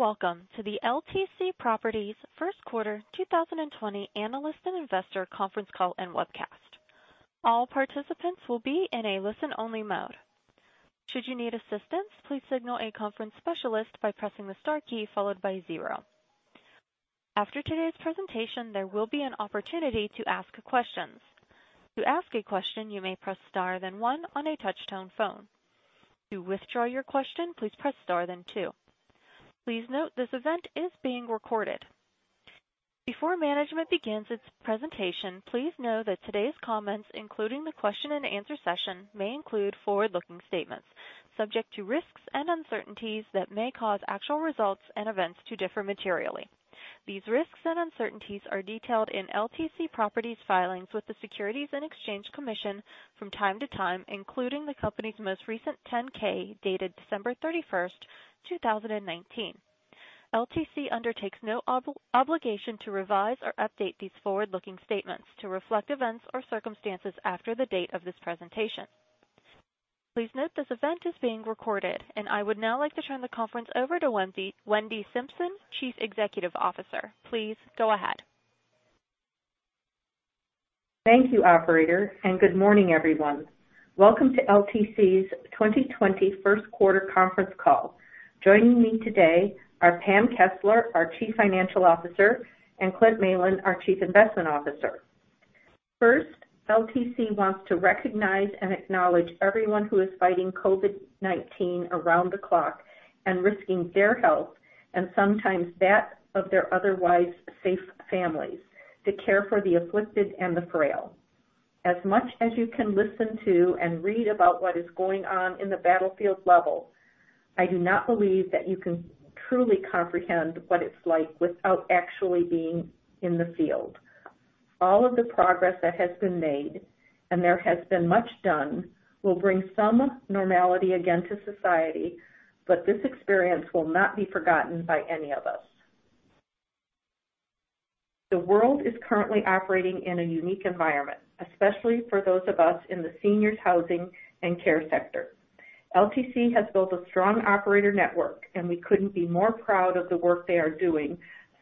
Good day, and welcome to the LTC Properties Q1 2020 Analyst and Investor Conference Call and Webcast. All participants will be in a listen-only mode. Should you need assistance, please signal a conference specialist by pressing the star key followed by zero. After today's presentation, there will be an opportunity to ask questions. To ask a question, you may press star then one on a touch-tone phone. To withdraw your question, please press star then two. Please note this event is being recorded. Before management begins its presentation, please know that today's comments, including the question and answer session, may include forward-looking statements subject to risks and uncertainties that may cause actual results and events to differ materially. These risks and uncertainties are detailed in LTC Properties filings with the Securities and Exchange Commission from time to time, including the company's most recent 10-K, dated December 31st, 2019. LTC undertakes no obligation to revise or update these forward-looking statements to reflect events or circumstances after the date of this presentation. Please note this event is being recorded, and I would now like to turn the conference over to Wendy Simpson, Chief Executive Officer, Please go ahead. Thank you, operator, and good morning, everyone. Welcome to LTC's 2020 Q1 Conference Call. Joining me today are Pam Kessler, our Chief Financial Officer, and Clint Malin, our Chief Investment Officer. First, LTC wants to recognize and acknowledge everyone who is fighting COVID-19 around the clock and risking their health, and sometimes that of their otherwise safe families, to care for the afflicted and the frail. As much as you can listen to and read about what is going on in the battlefield level, I do not believe that you can truly comprehend what it's like without actually being in the field. All of the progress that has been made, and there has been much done, will bring some normality again to society, but this experience will not be forgotten by any of us. The world is currently operating in a unique environment, especially for those of us in the seniors housing and care sector. LTC has built a strong operator network, and we couldn't be more proud of the work they are doing,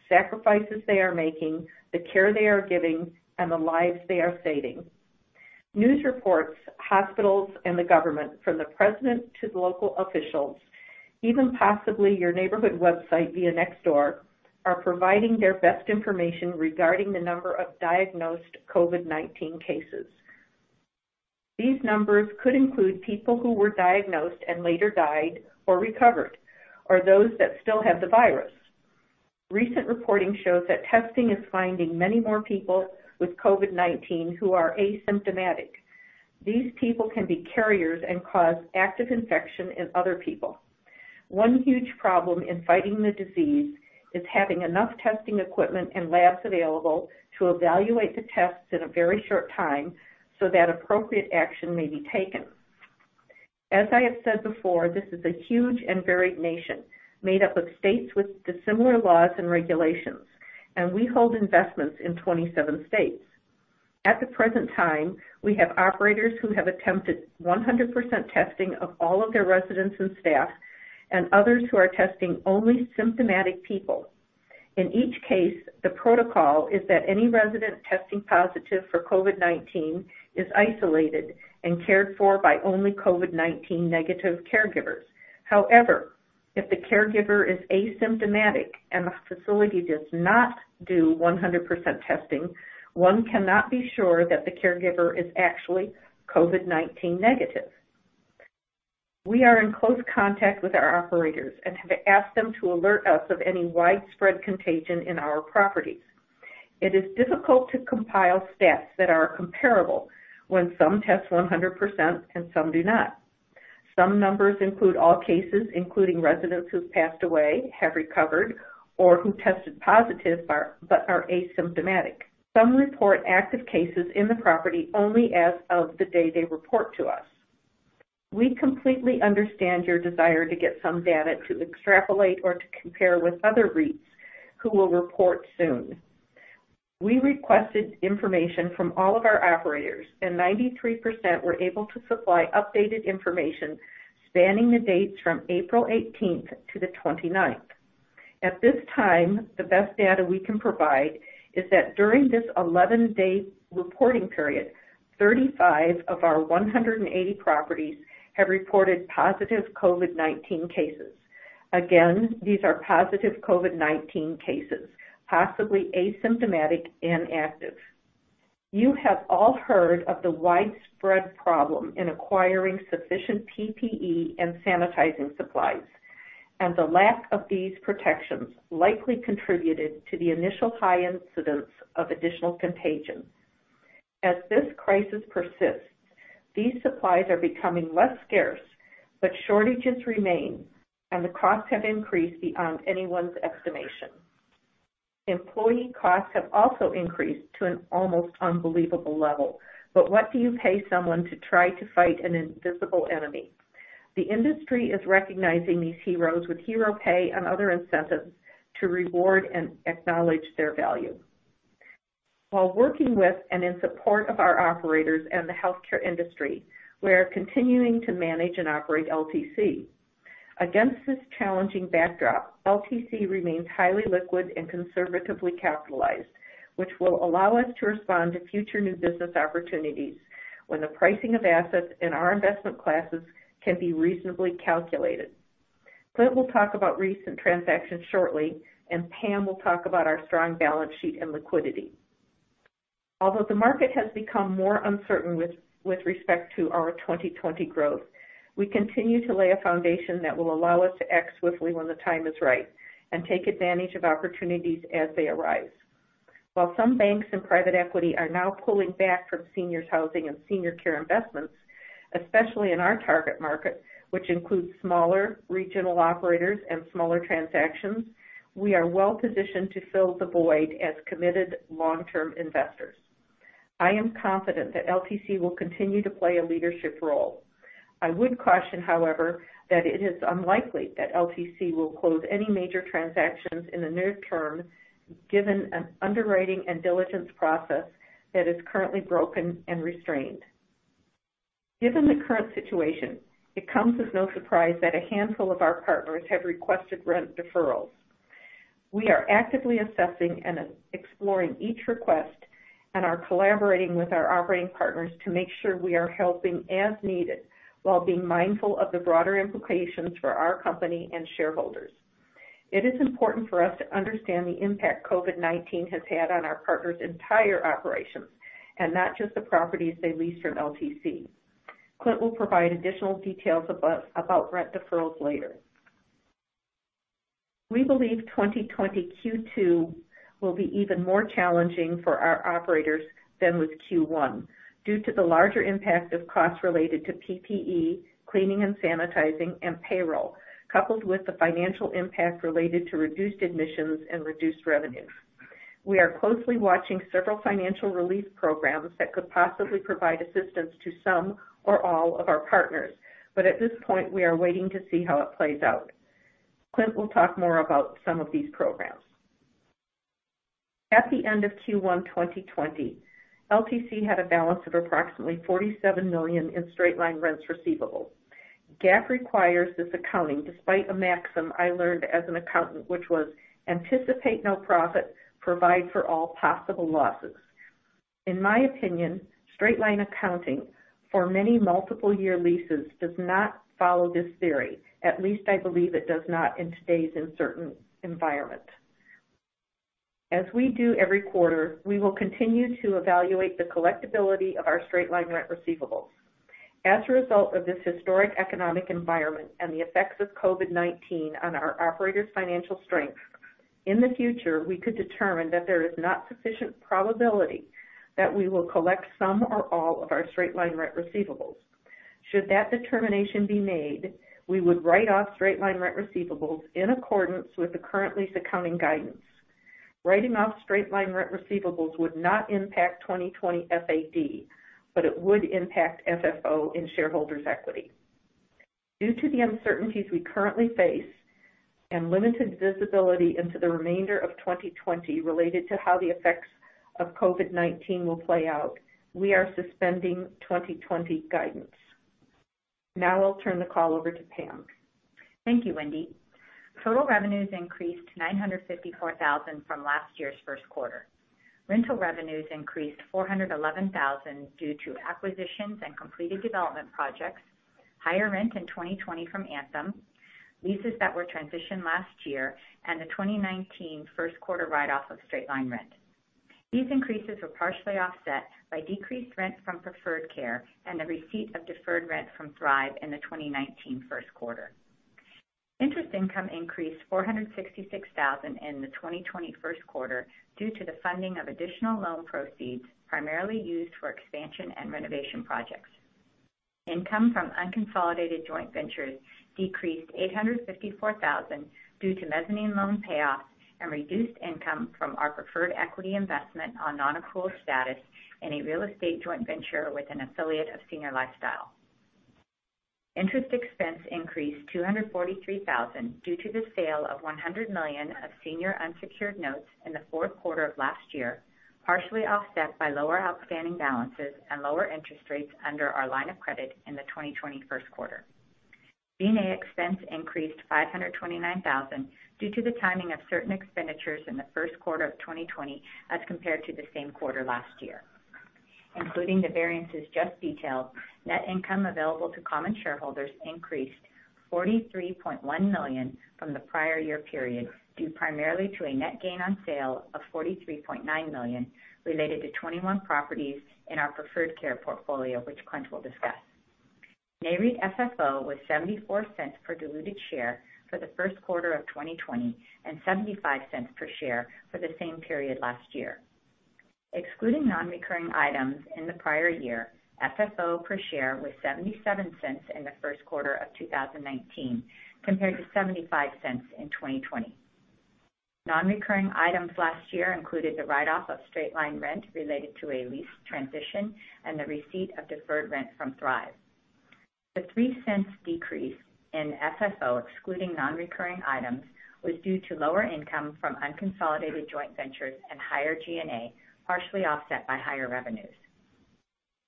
sacrifices they are making, the care they are giving, and the lives they are saving. News reports, hospitals, and the government, from the president to the local officials, even possibly your neighborhood website via Nextdoor, are providing their best information regarding the number of diagnosed COVID-19 cases. These numbers could include people who were diagnosed and later died or recovered, or those that still have the virus. Recent reporting shows that testing is finding many more people with COVID-19 who are asymptomatic. These people can be carriers and cause active infection in other people. One huge problem in fighting the disease is having enough testing equipment and labs available to evaluate the tests in a very short time so that appropriate action may be taken. As I have said before, this is a huge and varied nation, made up of states with dissimilar laws and regulations, and we hold investments in 27 states. At the present time, we have operators who have attempted 100% testing of all of their residents and staff, and others who are testing only symptomatic people. In each case, the protocol is that any resident testing positive for COVID-19 is isolated and cared for by only COVID-19 negative caregivers. However, if the caregiver is asymptomatic and the facility does not do 100% testing, one cannot be sure that the caregiver is actually COVID-19 negative. We are in close contact with our operators and have asked them to alert us of any widespread contagion in our properties. It is difficult to compile stats that are comparable when some test 100% and some do not. Some numbers include all cases, including residents who've passed away, have recovered, or who tested positive but are asymptomatic. Some report active cases in the property only as of the day they report to us. We completely understand your desire to get some data to extrapolate or to compare with other REITs who will report soon. We requested information from all of our operators, and 93% were able to supply updated information spanning the dates from April 18th to the 29th. At this time, the best data we can provide is that during this 11-day reporting period, 35 of our 180 properties have reported positive COVID-19 cases. These are positive COVID-19 cases, possibly asymptomatic and active. You have all heard of the widespread problem in acquiring sufficient PPE and sanitizing supplies, and the lack of these protections likely contributed to the initial high incidence of additional contagion. As this crisis persists, these supplies are becoming less scarce, but shortages remain, and the costs have increased beyond anyone's estimation. Employee costs have also increased to an almost unbelievable level, but what do you pay someone to try to fight an invisible enemy? The industry is recognizing these heroes with hero pay and other incentives to reward and acknowledge their value. While working with and in support of our operators and the healthcare industry, we are continuing to manage and operate LTC. Against this challenging backdrop, LTC remains highly liquid and conservatively capitalized, which will allow us to respond to future new business opportunities when the pricing of assets in our investment classes can be reasonably calculated. Clint will talk about recent transactions shortly, and Pam will talk about our strong balance sheet and liquidity. Although the market has become more uncertain with respect to our 2020 growth, we continue to lay a foundation that will allow us to act swiftly when the time is right and take advantage of opportunities as they arise. While some banks and private equity are now pulling back from seniors housing and senior care investments, especially in our target market, which includes smaller regional operators and smaller transactions, we are well-positioned to fill the void as committed long-term investors. I am confident that LTC will continue to play a leadership role. I would caution, however, that it is unlikely that LTC will close any major transactions in the near term, given an underwriting and diligence process that is currently broken and restrained. Given the current situation, it comes as no surprise that a handful of our partners have requested rent deferrals. We are actively assessing and exploring each request and are collaborating with our operating partners to make sure we are helping as needed while being mindful of the broader implications for our company and shareholders. It is important for us to understand the impact COVID-19 has had on our partners' entire operations and not just the properties they lease from LTC. Clint will provide additional details about rent deferrals later. We believe 2020 Q2 will be even more challenging for our operators than was Q1 due to the larger impact of costs related to PPE, cleaning and sanitizing, and payroll, coupled with the financial impact related to reduced admissions and reduced revenue. We are closely watching several financial relief programs that could possibly provide assistance to some or all of our partners. At this point, we are waiting to see how it plays out. Clint will talk more about some of these programs. At the end of Q1 2020, LTC had a balance of approximately $47 million in straight-line rents receivable. GAAP requires this accounting despite a maxim I learned as an accountant, which was, anticipate no profit, provide for all possible losses. In my opinion, straight-line accounting for many multiple-year leases does not follow this theory. At least I believe it does not in today's uncertain environment. As we do every quarter, we will continue to evaluate the collectibility of our straight-line rent receivables. As a result of this historic economic environment and the effects of COVID-19 on our operators' financial strength, in the future, we could determine that there is not sufficient probability that we will collect some or all of our straight-line rent receivables. Should that determination be made, we would write off straight-line rent receivables in accordance with the current lease accounting guidance. Writing off straight-line rent receivables would not impact 2020 FAD, but it would impact FFO and shareholders' equity. Due to the uncertainties we currently face and limited visibility into the remainder of 2020 related to how the effects of COVID-19 will play out, we are suspending 2020 guidance. Now I'll turn the call over to Pam. Thank you, Wendy. Total revenues increased to $954,000 from last year's Q1. Rental revenues increased $411,000 due to acquisitions and completed development projects, higher rent in 2020 from Anthem, leases that were transitioned last year, and the 2019 Q1 write-off of straight-line rent. These increases were partially offset by decreased rent from Preferred Care and the receipt of deferred rent from Thrive in the 2019 Q1. Interest income increased $466,000 in the 2020 Q1 due to the funding of additional loan proceeds, primarily used for expansion and renovation projects. Income from unconsolidated joint ventures decreased $854,000 due to mezzanine loan payoffs and reduced income from our preferred equity investment on non-accrual status in a real estate joint venture with an affiliate of Senior Lifestyle. Interest expense increased $243,000 due to the sale of $100 million of senior unsecured notes in the Q4 of last year, partially offset by lower outstanding balances and lower interest rates under our line of credit in the 2020 Q1. D&A expense increased $529,000 due to the timing of certain expenditures in the Q1 of 2020 as compared to the same quarter last year. Including the variances just detailed, net income available to common shareholders increased $43.1 million from the prior year period, due primarily to a net gain on sale of $43.9 million related to 21 properties in our Preferred Care portfolio, which Clint will discuss. Nareit FFO was $0.74 per diluted share for the Q1 of 2020 and $0.75 per share for the same period last year. Excluding non-recurring items in the prior year, FFO per share was $0.77 in the Q1 of 2019 compared to $0.75 in 2020. Non-recurring items last year included the write-off of straight-line rent related to a lease transition and the receipt of deferred rent from Thrive. The $0.03 decrease in FFO, excluding non-recurring items, was due to lower income from unconsolidated joint ventures and higher G&A, partially offset by higher revenues.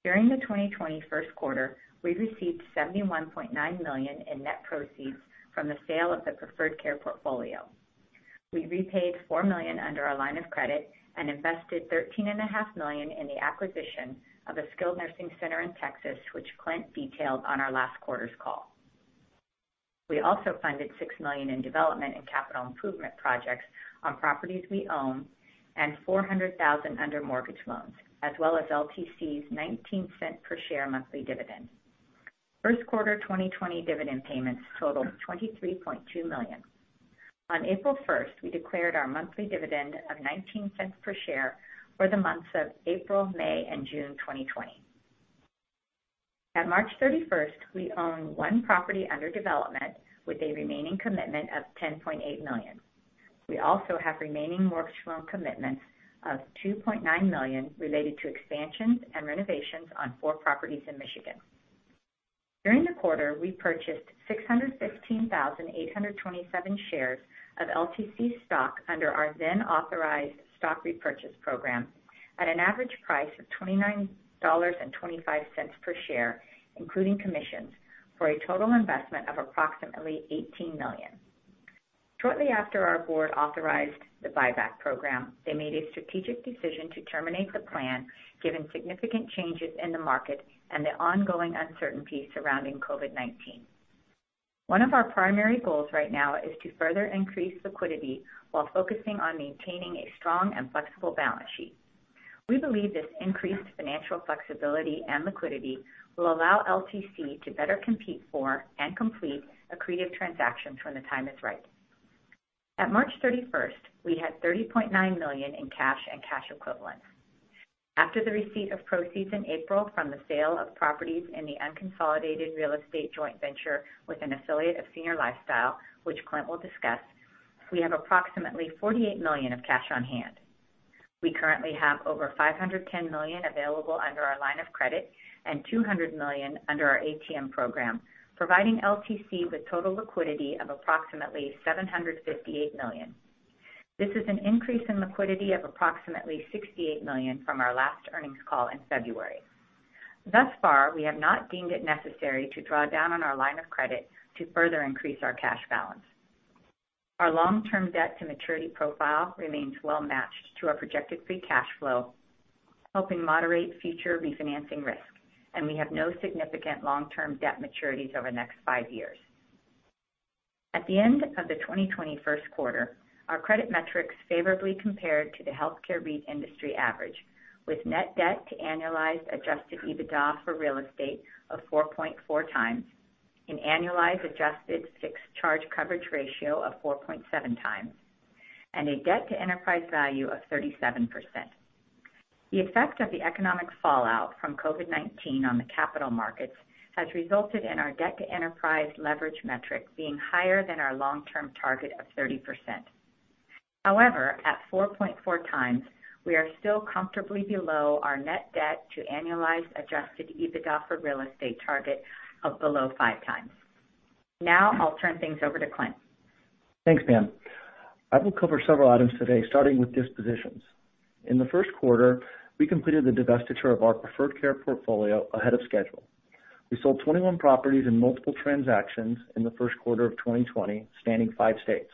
During the 2020 Q1, we received $71.9 million in net proceeds from the sale of the Preferred Care portfolio. We repaid $4 million under our line of credit and invested $13.5 million in the acquisition of a skilled nursing center in Texas, which Clint detailed on our last quarter's call. We also funded $6 million in development and capital improvement projects on properties we own, and $400,000 under mortgage loans, as well as LTC's $0.19 per share monthly dividend. Q1 2020 dividend payments totaled $23.2 million. On April 1st, we declared our monthly dividend of $0.19 per share for the months of April, May, and June 2020. At March 31st, we own one property under development with a remaining commitment of $10.8 million. We also have remaining mortgage loan commitments of $2.9 million related to expansions and renovations on four properties in Michigan. During the quarter, we purchased 615,827 shares of LTC stock under our then-authorized stock repurchase program at an average price of $29.25 per share, including commissions, for a total investment of approximately $18 million. Shortly after our board authorized the buyback program, they made a strategic decision to terminate the plan given significant changes in the market and the ongoing uncertainty surrounding COVID-19. One of our primary goals right now is to further increase liquidity while focusing on maintaining a strong and flexible balance sheet. We believe this increased financial flexibility and liquidity will allow LTC to better compete for and complete accretive transactions when the time is right. At March 31st, we had $30.9 million in cash and cash equivalents. After the receipt of proceeds in April from the sale of properties in the unconsolidated real estate joint venture with an affiliate of Senior Lifestyle, which Clint will discuss, we have approximately $48 million of cash on hand. We currently have over $510 million available under our line of credit and $200 million under our ATM program, providing LTC with total liquidity of approximately $758 million. This is an increase in liquidity of approximately $68 million from our last earnings call in February. Thus far, we have not deemed it necessary to draw down on our line of credit to further increase our cash balance. Our long-term debt to maturity profile remains well-matched to our projected free cash flow, helping moderate future refinancing risk, and we have no significant long-term debt maturities over the next five years. At the end of the 2020 Q1, our credit metrics favorably compared to the healthcare REIT industry average, with net debt to annualized Adjusted EBITDA for real estate of 4.4x, an annualized adjusted fixed charge coverage ratio of 4.7x, and a debt to enterprise value of 37%. The effect of the economic fallout from COVID-19 on the capital markets has resulted in our debt to enterprise leverage metric being higher than our long-term target of 30%. However, at 4.4x, we are still comfortably below our net debt to annualized Adjusted EBITDA for real estate target of below 5x. Now I'll turn things over to Clint. Thanks, Pam. I will cover several items today, starting with dispositions. In the Q1, we completed the divestiture of our Preferred Care portfolio ahead of schedule. We sold 21 properties in multiple transactions in the Q1 of 2020, spanning five states.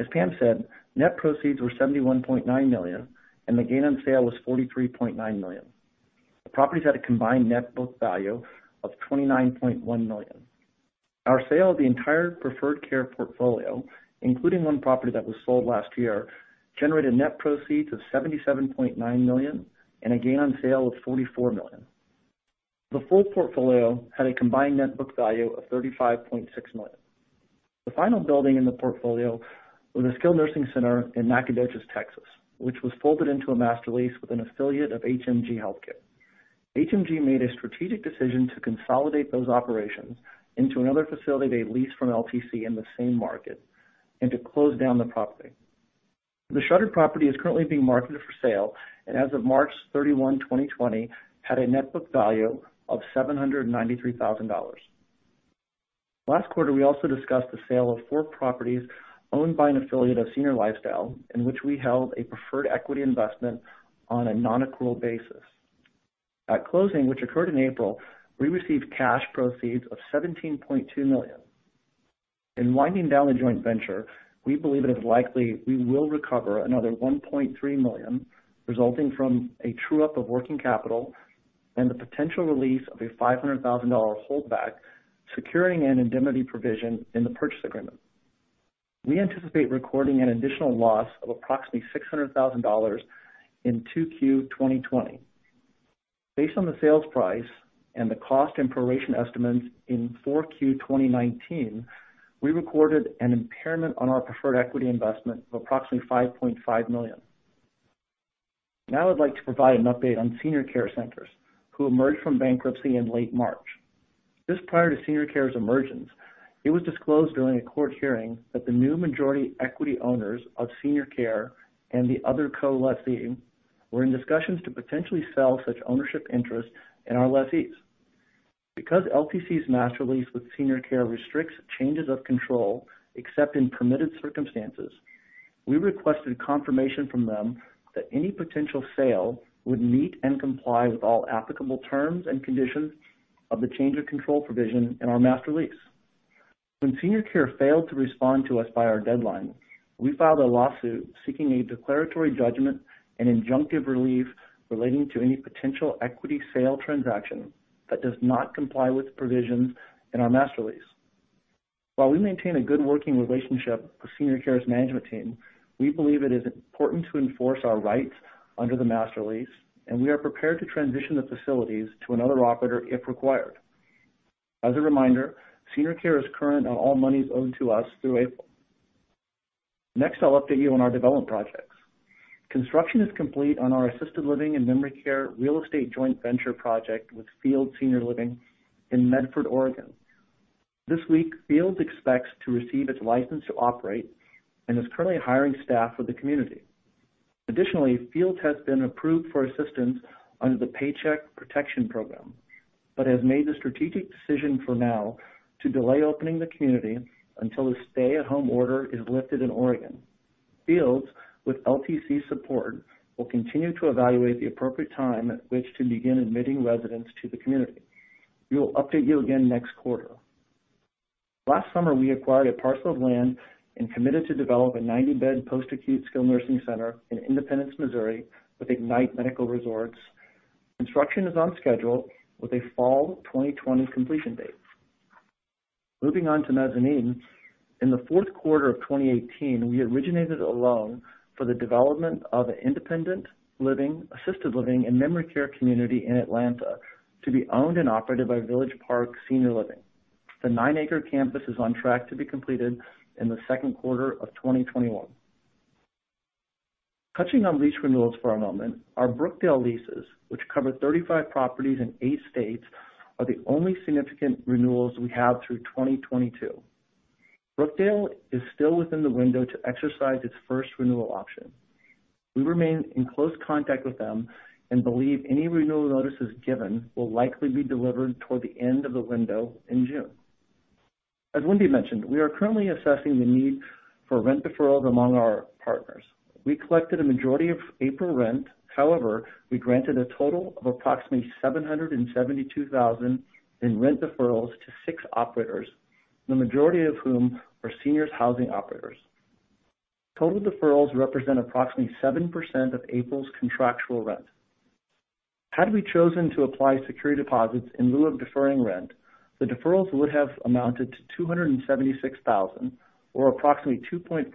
As Pam said, net proceeds were $71.9 million and the gain on sale was $43.9 million. The properties had a combined net book value of $29.1 million. Our sale of the entire Preferred Care portfolio, including one property that was sold last year, generated net proceeds of $77.9 million and a gain on sale of $44 million. The full portfolio had a combined net book value of $35.6 million. The final building in the portfolio was a skilled nursing center in Nacogdoches, Texas, which was folded into a master lease with an affiliate of HMG Healthcare. HMG made a strategic decision to consolidate those operations into another facility they leased from LTC in the same market and to close down the property. The shuttered property is currently being marketed for sale, and as of March 31, 2020, had a net book value of $793,000. Last quarter, we also discussed the sale of four properties owned by an affiliate of Senior Lifestyle in which we held a preferred equity investment on a non-accrual basis. At closing, which occurred in April, we received cash proceeds of $17.2 million. In winding down the joint venture, we believe it is likely we will recover another $1.3 million resulting from a true-up of working capital and the potential release of a $500,000 holdback securing an indemnity provision in the purchase agreement. We anticipate recording an additional loss of approximately $600,000 in Q2 2020. Based on the sales price and the cost and proration estimates in Q4 2019, we recorded an impairment on our preferred equity investment of approximately $5.5 million. Now I'd like to provide an update on Senior Care Centers who emerged from bankruptcy in late March. Just prior to Senior Care's emergence, it was disclosed during a court hearing that the new majority equity owners of Senior Care and the other co-lessee were in discussions to potentially sell such ownership interest in our lessees. Because LTC's master lease with Senior Care restricts changes of control except in permitted circumstances, we requested confirmation from them that any potential sale would meet and comply with all applicable terms and conditions of the change of control provision in our master lease. When Senior Care failed to respond to us by our deadline, we filed a lawsuit seeking a declaratory judgment and injunctive relief relating to any potential equity sale transaction that does not comply with the provisions in our master lease. While we maintain a good working relationship with Senior Care's management team, we believe it is important to enforce our rights under the master lease, and we are prepared to transition the facilities to another operator if required. As a reminder, Senior Care is current on all monies owed to us through April. Next, I'll update you on our development projects. Construction is complete on our assisted living and memory care real estate joint venture project with Fields Senior Living in Medford, Oregon. This week, Fields expects to receive its license to operate and is currently hiring staff for the community. Additionally, Fields has been approved for assistance under the Paycheck Protection Program, but has made the strategic decision for now to delay opening the community until the stay-at-home order is lifted in Oregon. Fields, with LTC's support, will continue to evaluate the appropriate time at which to begin admitting residents to the community. We will update you again next quarter. Last summer, we acquired a parcel of land and committed to develop a 90-bed post-acute skilled nursing center in Independence, Missouri, with Ignite Medical Resorts. Construction is on schedule with a fall 2020 completion date. Moving on to mezzanine. In the Q4 of 2018, we originated a loan for the development of an independent living, assisted living, and memory care community in Atlanta to be owned and operated by Village Park Senior Living. The nine-acre campus is on track to be completed in the Q2 of 2021. Touching on lease renewals for a moment, our Brookdale leases, which cover 35 properties in eight states, are the only significant renewals we have through 2022. Brookdale is still within the window to exercise its first renewal option. We remain in close contact with them and believe any renewal notices given will likely be delivered toward the end of the window in June. As Wendy mentioned, we are currently assessing the need for rent deferrals among our partners. We collected a majority of April rent. However, we granted a total of approximately $772,000 in rent deferrals to six operators, the majority of whom are seniors housing operators. Total deferrals represent approximately 7% of April's contractual rent. Had we chosen to apply security deposits in lieu of deferring rent, the deferrals would have amounted to $276,000, or approximately 2.5%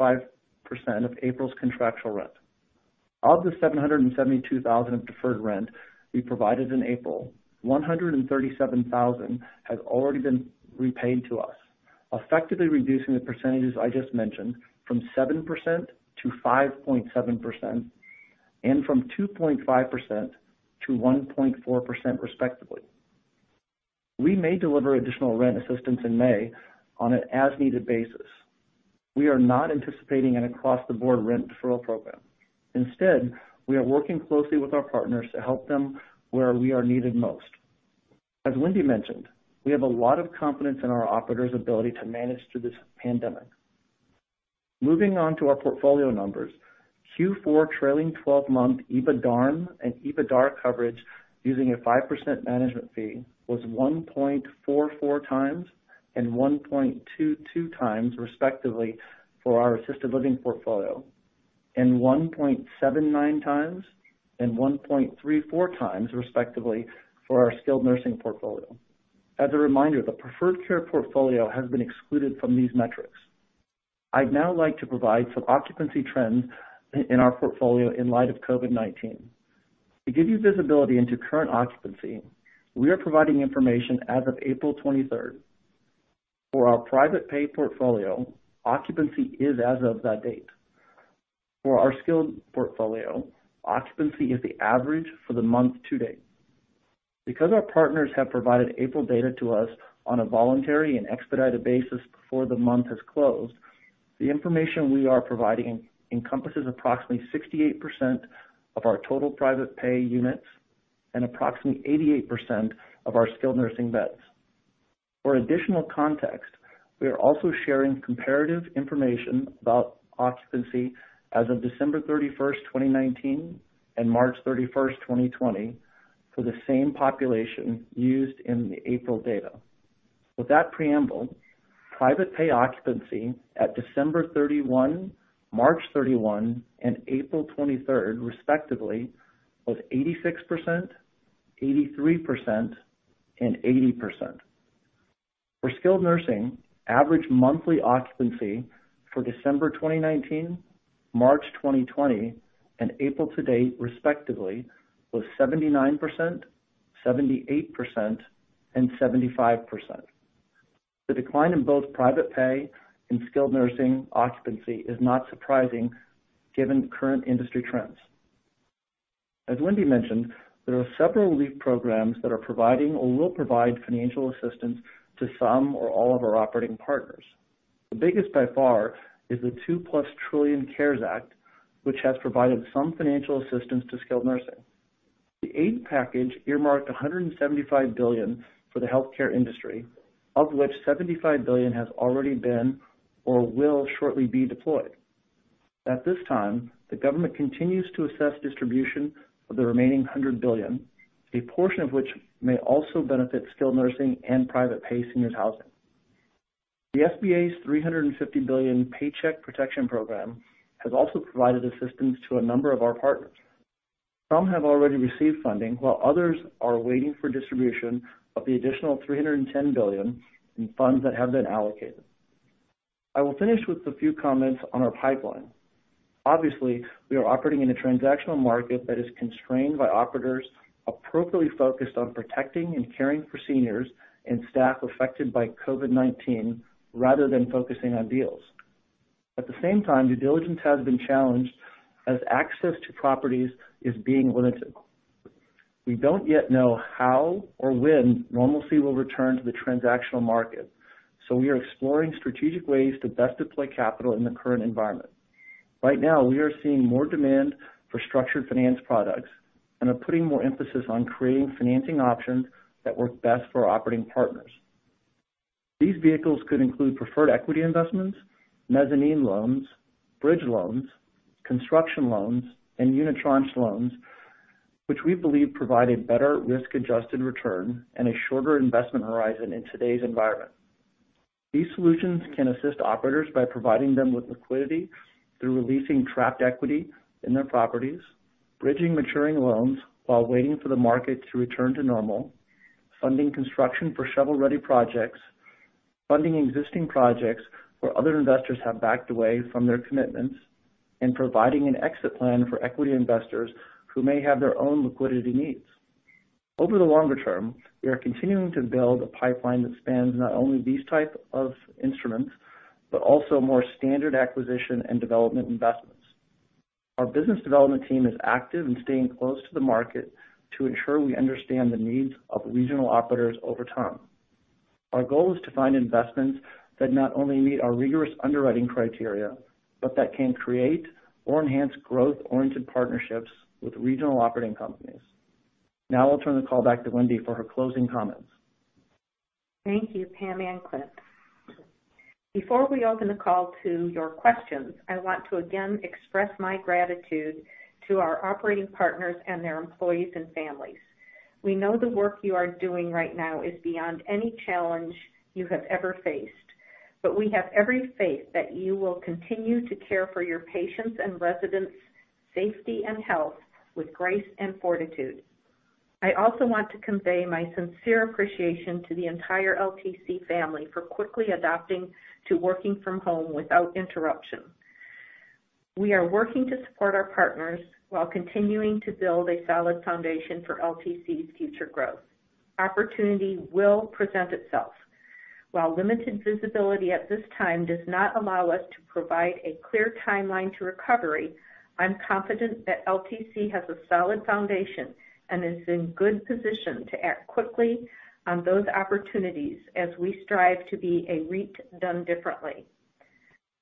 of April's contractual rent. Of the $772,000 of deferred rent we provided in April, $137,000 has already been repaid to us, effectively reducing the percentages I just mentioned from 7% to 5.7%, and from 2.5% to 1.4% respectively. We may deliver additional rent assistance in May on an as-needed basis. We are not anticipating an across-the-board rent deferral program. Instead, we are working closely with our partners to help them where we are needed most. As Wendy mentioned, we have a lot of confidence in our operators' ability to manage through this pandemic. Moving on to our portfolio numbers. Q4 trailing 12-month EBITDARM and EBITDA coverage using a 5% management fee was 1.44x and 1.22x, respectively, for our assisted living portfolio, and 1.79x and 1.34x, respectively, for our skilled nursing portfolio. As a reminder, the Preferred Care portfolio has been excluded from these metrics. I'd now like to provide some occupancy trends in our portfolio in light of COVID-19. To give you visibility into current occupancy, we are providing information as of April 23rd. For our private pay portfolio, occupancy is as of that date. For our skilled portfolio, occupancy is the average for the month to date. Because our partners have provided April data to us on a voluntary and expedited basis before the month has closed, the information we are providing encompasses approximately 68% of our total private pay units and approximately 88% of our skilled nursing beds. For additional context, we are also sharing comparative information about occupancy as of December 31st, 2019, and March 31st, 2020, for the same population used in the April data. With that preamble, private pay occupancy at December 31, March 31, and April 23rd, respectively, was 86%, 83%, and 80%. For skilled nursing, average monthly occupancy for December 2019, March 2020, and April to date, respectively, was 79%, 78%, and 75%. The decline in both private pay and skilled nursing occupancy is not surprising given current industry trends. As Wendy mentioned, there are several relief programs that are providing or will provide financial assistance to some or all of our operating partners. The biggest by far is the 2+ trillion CARES Act, which has provided some financial assistance to skilled nursing. The aid package earmarked $175 billion for the healthcare industry, of which $75 billion has already been or will shortly be deployed. At this time, the government continues to assess distribution of the remaining $100 billion, a portion of which may also benefit skilled nursing and private pay senior housing. The SBA's $350 billion Paycheck Protection Program has also provided assistance to a number of our partners. Some have already received funding, while others are waiting for distribution of the additional $310 billion in funds that have been allocated. I will finish with a few comments on our pipeline. Obviously, we are operating in a transactional market that is constrained by operators appropriately focused on protecting and caring for seniors and staff affected by COVID-19 rather than focusing on deals. At the same time, due diligence has been challenged as access to properties is being limited. We don't yet know how or when normalcy will return to the transactional market, so we are exploring strategic ways to best deploy capital in the current environment. Right now, we are seeing more demand for structured finance products and are putting more emphasis on creating financing options that work best for our operating partners. These vehicles could include preferred equity investments, mezzanine loans, bridge loans, construction loans, and unitranche loans, which we believe provide a better risk-adjusted return and a shorter investment horizon in today's environment. These solutions can assist operators by providing them with liquidity through releasing trapped equity in their properties, bridging maturing loans while waiting for the market to return to normal, funding construction for shovel-ready projects, funding existing projects where other investors have backed away from their commitments, and providing an exit plan for equity investors who may have their own liquidity needs. Over the longer term, we are continuing to build a pipeline that spans not only these type of instruments, but also more standard acquisition and development investments. Our business development team is active and staying close to the market to ensure we understand the needs of regional operators over time. Our goal is to find investments that not only meet our rigorous underwriting criteria, but that can create or enhance growth-oriented partnerships with regional operating companies. Now I'll turn the call back to Wendy for her closing comments. Thank you, Pam and Clint. Before we open the call to your questions, I want to again express my gratitude to our operating partners and their employees and families. We know the work you are doing right now is beyond any challenge you have ever faced, but we have every faith that you will continue to care for your patients' and residents' safety and health with grace and fortitude. I also want to convey my sincere appreciation to the entire LTC family for quickly adapting to working from home without interruption. We are working to support our partners while continuing to build a solid foundation for LTC's future growth. Opportunity will present itself. While limited visibility at this time does not allow us to provide a clear timeline to recovery, I'm confident that LTC has a solid foundation and is in good position to act quickly on those opportunities as we strive to be a REIT done differently.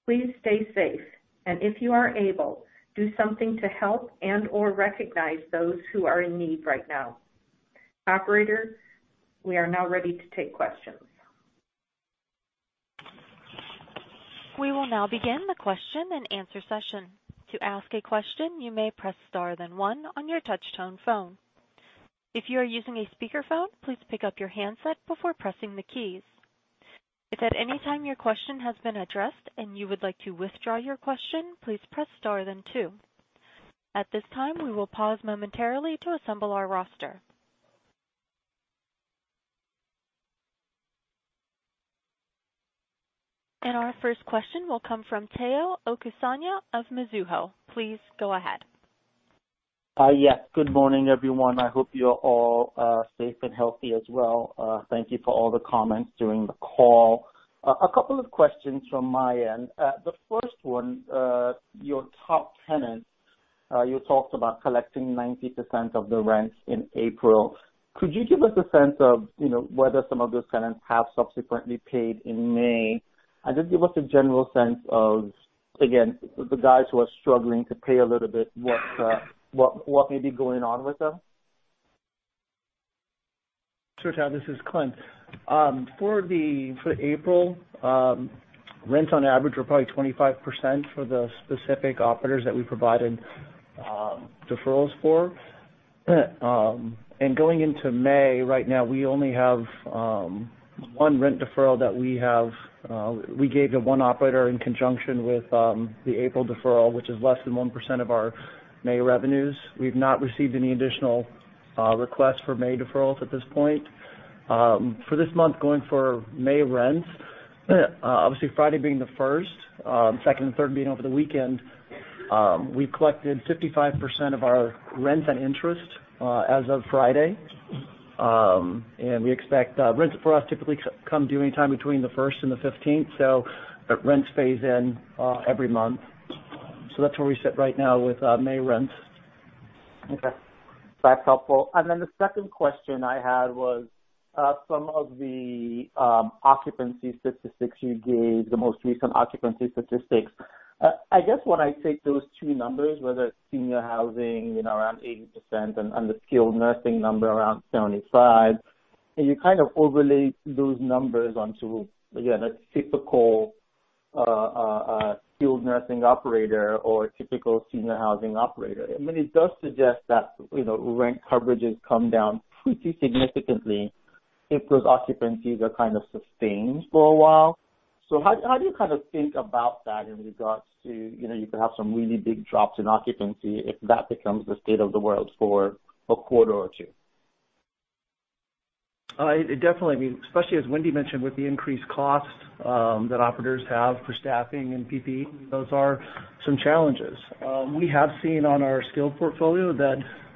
Please stay safe, and if you are able, do something to help and/or recognize those who are in need right now. Operator, we are now ready to take questions. We will now begin the question and answer session. To ask a question, you may press star then one on your touch-tone phone. If you are using a speakerphone, please pick up your handset before pressing the keys. If at any time your question has been addressed and you would like to withdraw your question, please press star then two. At this time, we will pause momentarily to assemble our roster. Our first question will come from Tayo Okusanya of Mizuho. Please go ahead. Yes. Good morning, everyone. I hope you're all safe and healthy as well. Thank you for all the comments during the call. A couple of questions from my end. The first one, your top tenants, you talked about collecting 90% of the rents in April. Could you give us a sense of whether some of those tenants have subsequently paid in May? Just give us a general sense of, again, the guys who are struggling to pay a little bit, what may be going on with them? Sure, Tayo. This is Clint. For April, rents on average were probably 25% for the specific operators that we provided deferrals for. Going into May, right now, we only have one rent deferral that we gave to one operator in conjunction with the April deferral, which is less than 1% of our May revenues. We've not received any additional requests for May deferrals at this point. For this month, going for May rents, obviously Friday being the first, second and third being over the weekend, we collected 55% of our rent and interest as of Friday. We expect rents for us typically come due anytime between the first and the 15th. Rents phase in every month. That's where we sit right now with May rents. Okay. That's helpful. The second question I had was, some of the occupancy statistics you gave, the most recent occupancy statistics. I guess when I take those two numbers, whether it's seniors housing around 80% and the skilled nursing number around 75%, and you overlay those numbers onto, again, a typical skilled nursing operator or a typical seniors housing operator. I mean, it does suggest that rent coverage has come down pretty significantly if those occupancies are sustained for a while. How do you think about that in regards to you could have some really big drops in occupancy if that becomes the state of the world for a quarter or two? It definitely, especially as Wendy mentioned, with the increased cost that operators have for staffing and PPE, those are some challenges. We have seen on our skilled portfolio that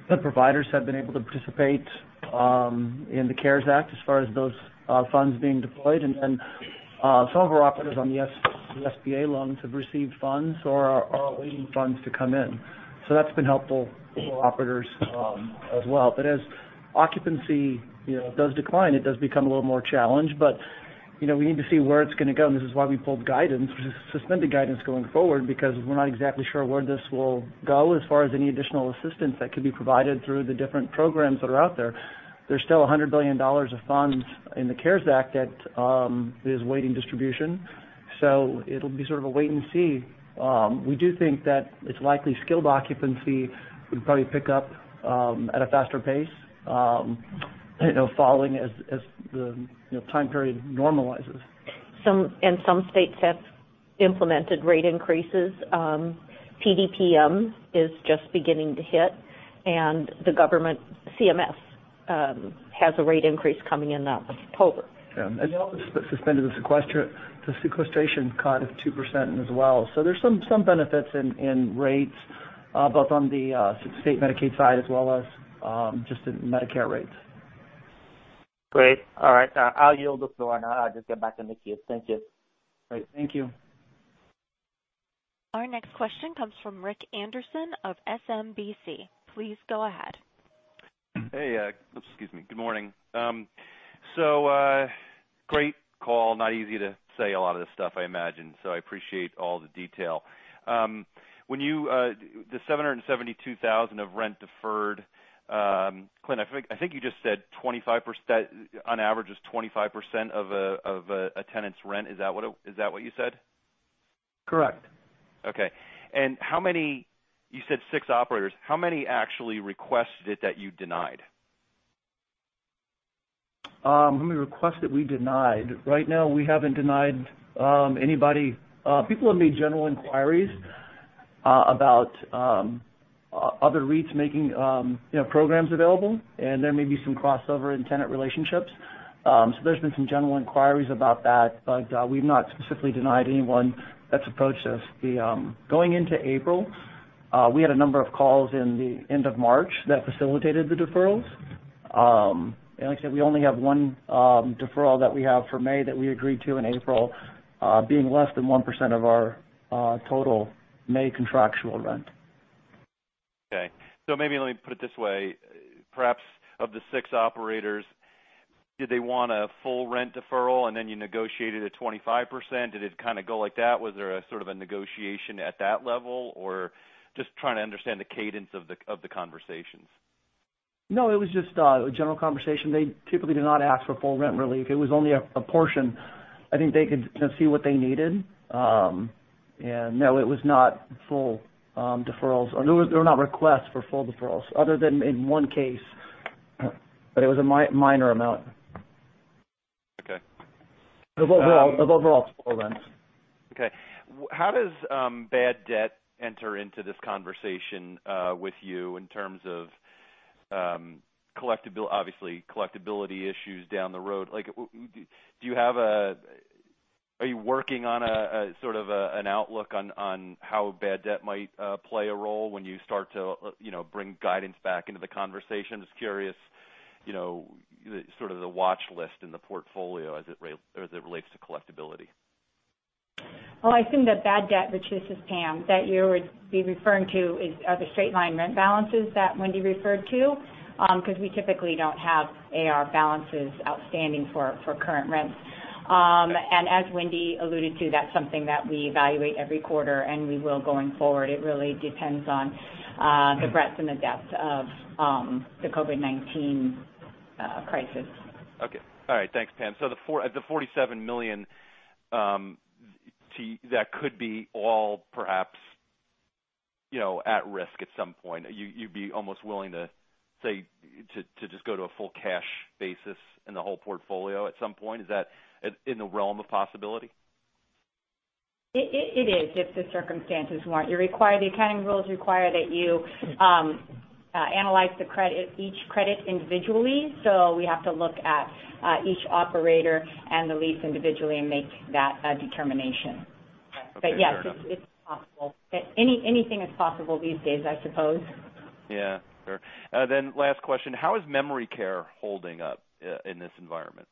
the providers have been able to participate in the CARES Act as far as those funds being deployed. Some of our operators on the SBA loans have received funds or are awaiting funds to come in. That's been helpful for operators as well. As occupancy does decline, it does become a little more challenged. We need to see where it's going to go, and this is why we pulled suspended guidance going forward, because we're not exactly sure where this will go as far as any additional assistance that could be provided through the different programs that are out there. There's still $100 billion of funds in the CARES Act that is awaiting distribution. It'll be sort of a wait and see. We do think that it's likely skilled occupancy would probably pick up at a faster pace following as the time period normalizes. Some states have implemented rate increases. PDPM is just beginning to hit, and the government CMS has a rate increase coming in October. Yeah. They also suspended the sequestration cut of 2% as well. There's some benefits in rates, both on the state Medicaid side as well as just in Medicare rates. Great. All right. I'll yield the floor, and I'll just get back in the queue. Thank you. Great. Thank you. Our next question comes from Rich Anderson of SMBC. Please go ahead. Hey. Excuse me. Good morning. Great call. Not easy to say a lot of this stuff, I imagine, so I appreciate all the detail. The $772,000 of rent deferred, Clint, I think you just said on average is 25% of a tenant's rent. Is that what you said? Correct. Okay. You said six operators. How many actually requested it that you denied? How many requests that we denied? We haven't denied anybody. People have made general inquiries about other REITs making programs available, there may be some crossover in tenant relationships. There's been some general inquiries about that, we've not specifically denied anyone that's approached us. Going into April, we had a number of calls in the end of March that facilitated the deferrals. Like I said, we only have one deferral that we have for May that we agreed to in April, being less than 1% of our total May contractual rent. Maybe let me put it this way. Perhaps of the six operators, did they want a full rent deferral and then you negotiated at 25%? Did it kind of go like that? Was there a sort of a negotiation at that level? Just trying to understand the cadence of the conversations. No, it was just a general conversation. They typically did not ask for full rent relief. It was only a portion. I think they could kind of see what they needed. No, it was not full deferrals, or there were not requests for full deferrals other than in one case, but it was a minor amount. Okay. Of overall rents. How does bad debt enter into this conversation with you in terms of, obviously, collectibility issues down the road? Are you working on a sort of an outlook on how bad debt might play a role when you start to bring guidance back into the conversation? Just curious, sort of the watch list in the portfolio as it relates to collectibility. Well, I assume that bad debt, which this is Pam, that you would be referring to are the straight-line rent balances that Wendy referred to, because we typically don't have AR balances outstanding for current rents. As Wendy alluded to, that's something that we evaluate every quarter and we will going forward. It really depends on the breadth and the depth of the COVID-19 crisis. Okay. All right. Thanks, Pam. The $47 million that could be all perhaps at risk at some point. You'd be almost willing to say to just go to a full cash basis in the whole portfolio at some point. Is that in the realm of possibility? It is if the circumstances warrant. The accounting rules require that you analyze each credit individually. We have to look at each operator and the lease individually and make that determination. Okay. Fair enough. Yes, it's possible. Anything is possible these days, I suppose. Yeah. Sure. Last question. How is memory care holding up in this environment?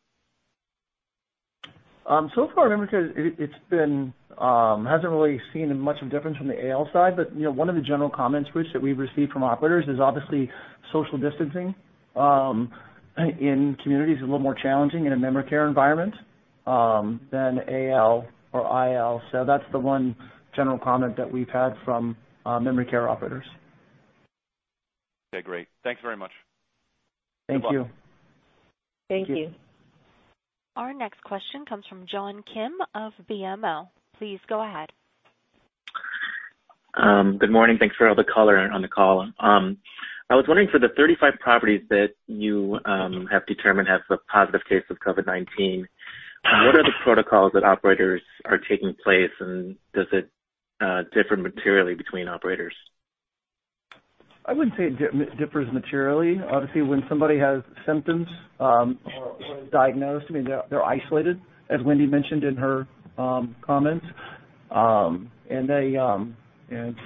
So far memory care, it hasn't really seen much of a difference from the AL side. One of the general comments, Rich, that we've received from operators is obviously social distancing in communities is a little more challenging in a memory care environment than AL or IL. That's the one general comment that we've had from memory care operators. Okay, great. Thanks very much. Thank you. Thank you. Our next question comes from John Kim of BMO. Please go ahead. Good morning. Thanks for all the color on the call. I was wondering for the 35 properties that you have determined has a positive case of COVID-19, what are the protocols that operators are taking place, and does it differ materially between operators? I wouldn't say it differs materially. Obviously, when somebody has symptoms or is diagnosed, they're isolated, as Wendy mentioned in her comments.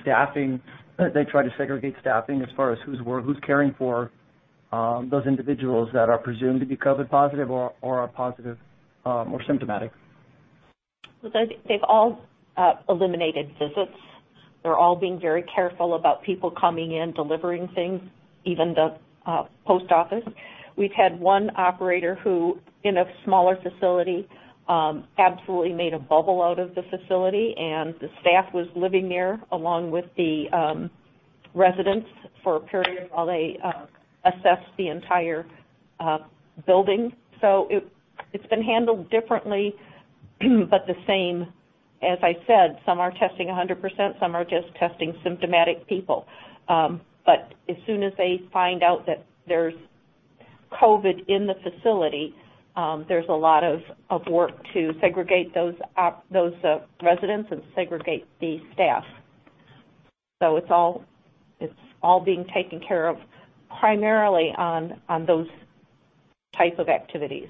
Staffing, they try to segregate staffing as far as who's caring for those individuals that are presumed to be COVID-19 positive or are positive or symptomatic. They've all eliminated visits. They're all being very careful about people coming in, delivering things, even the post office. We've had one operator who, in a smaller facility, absolutely made a bubble out of the facility, and the staff was living there along with the residents for a period while they assessed the entire building. It's been handled differently, but the same. As I said, some are testing 100%, some are just testing symptomatic people. As soon as they find out that there's COVID in the facility, there's a lot of work to segregate those residents and segregate the staff. It's all being taken care of primarily on those type of activities.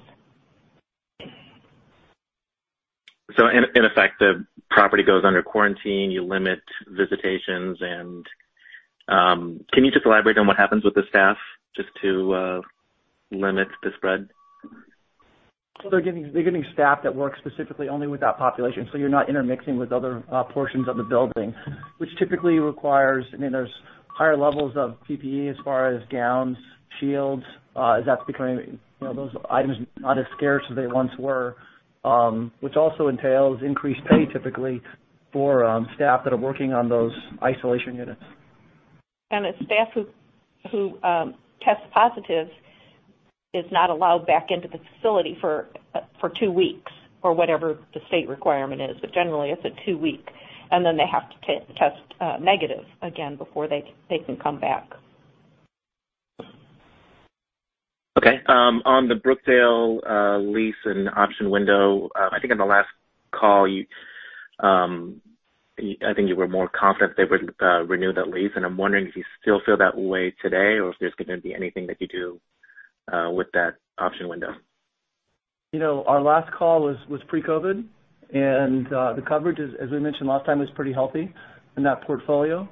In effect, the property goes under quarantine, you limit visitations. Can you just elaborate on what happens with the staff just to limit the spread? They're giving staff that work specifically only with that population, so you're not intermixing with other portions of the building, which typically requires, there's higher levels of PPE as far as gowns, shields, as that's becoming those items not as scarce as they once were, which also entails increased pay typically for staff that are working on those isolation units. The staff who test positive is not allowed back into the facility for two weeks or whatever the state requirement is. Generally, it's a two-week, and then they have to test negative again before they can come back. On the Brookdale lease and option window, I think on the last call, I think you were more confident they would renew that lease, and I'm wondering if you still feel that way today or if there's going to be anything that you do with that option window? Our last call was pre-COVID, and the coverage, as we mentioned last time, was pretty healthy in that portfolio.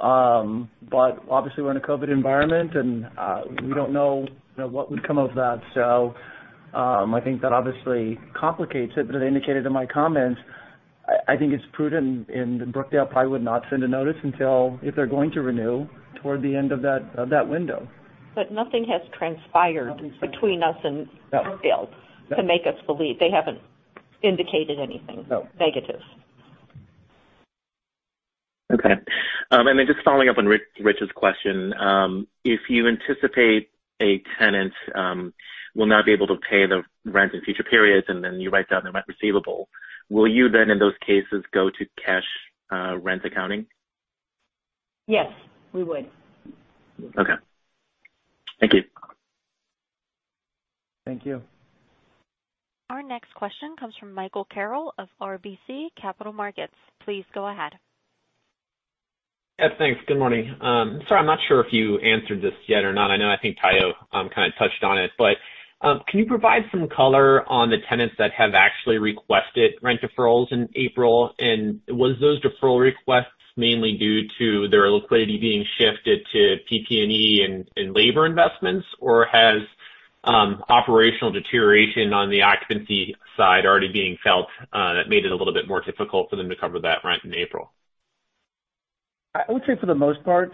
Obviously, we're in a COVID environment, and we don't know what would come of that. I think that obviously complicates it, but as I indicated in my comments, I think it's prudent and Brookdale probably would not send a notice until, if they're going to renew, toward the end of that window. Nothing has transpired between us and Brookdale to make us believe. They haven't indicated anything negative. Okay. Just following up on Richard's question, if you anticipate a tenant will not be able to pay the rent in future periods, and then you write down the amount receivable, will you then, in those cases, go to cash rent accounting? Yes, we would. Okay. Thank you. Thank you. Our next question comes from Michael Carroll of RBC Capital Markets. Please go ahead. Yes, thanks. Good morning. Sorry, I'm not sure if you answered this yet or not. I know, I think Tayo kind of touched on it. Can you provide some color on the tenants that have actually requested rent deferrals in April? Was those deferral requests mainly due to their liquidity being shifted to PP&E and labor investments, or has operational deterioration on the occupancy side already being felt that made it a little bit more difficult for them to cover that rent in April? I would say for the most part,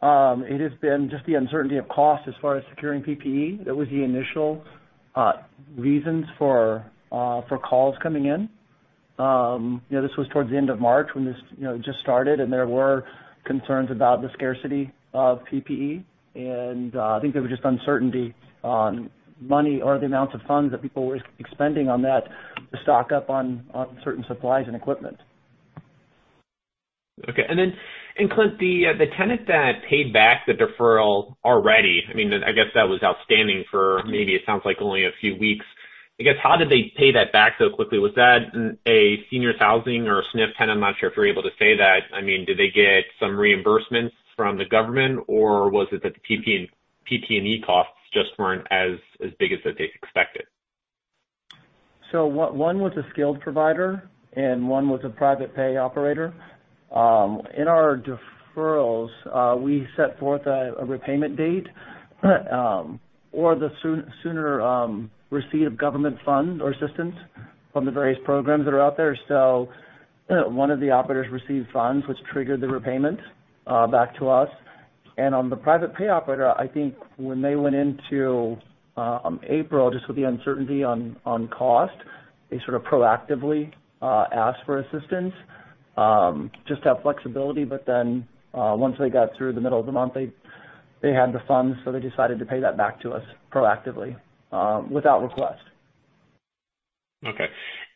it has been just the uncertainty of cost as far as securing PPE. That was the initial reasons for calls coming in. This was towards the end of March when this just started, and there were concerns about the scarcity of PPE. I think there was just uncertainty on money or the amounts of funds that people were expending on that to stock up on certain supplies and equipment. Okay. Clint, the tenant that paid back the deferral already, I guess that was outstanding for maybe it sounds like only a few weeks. I guess, how did they pay that back so quickly? Was that a senior housing or a SNF tenant? I'm not sure if you're able to say that. Did they get some reimbursements from the government, or was it that the PPE costs just weren't as big as they expected? One was a skilled provider and one was a private pay operator. In our deferrals, we set forth a repayment date or the sooner receipt of government funds or assistance from the various programs that are out there. One of the operators received funds, which triggered the repayment back to us. On the private pay operator, I think when they went into April, just with the uncertainty on cost, they sort of proactively asked for assistance just to have flexibility. Once they got through the middle of the month, they had the funds, so they decided to pay that back to us proactively without request. Okay.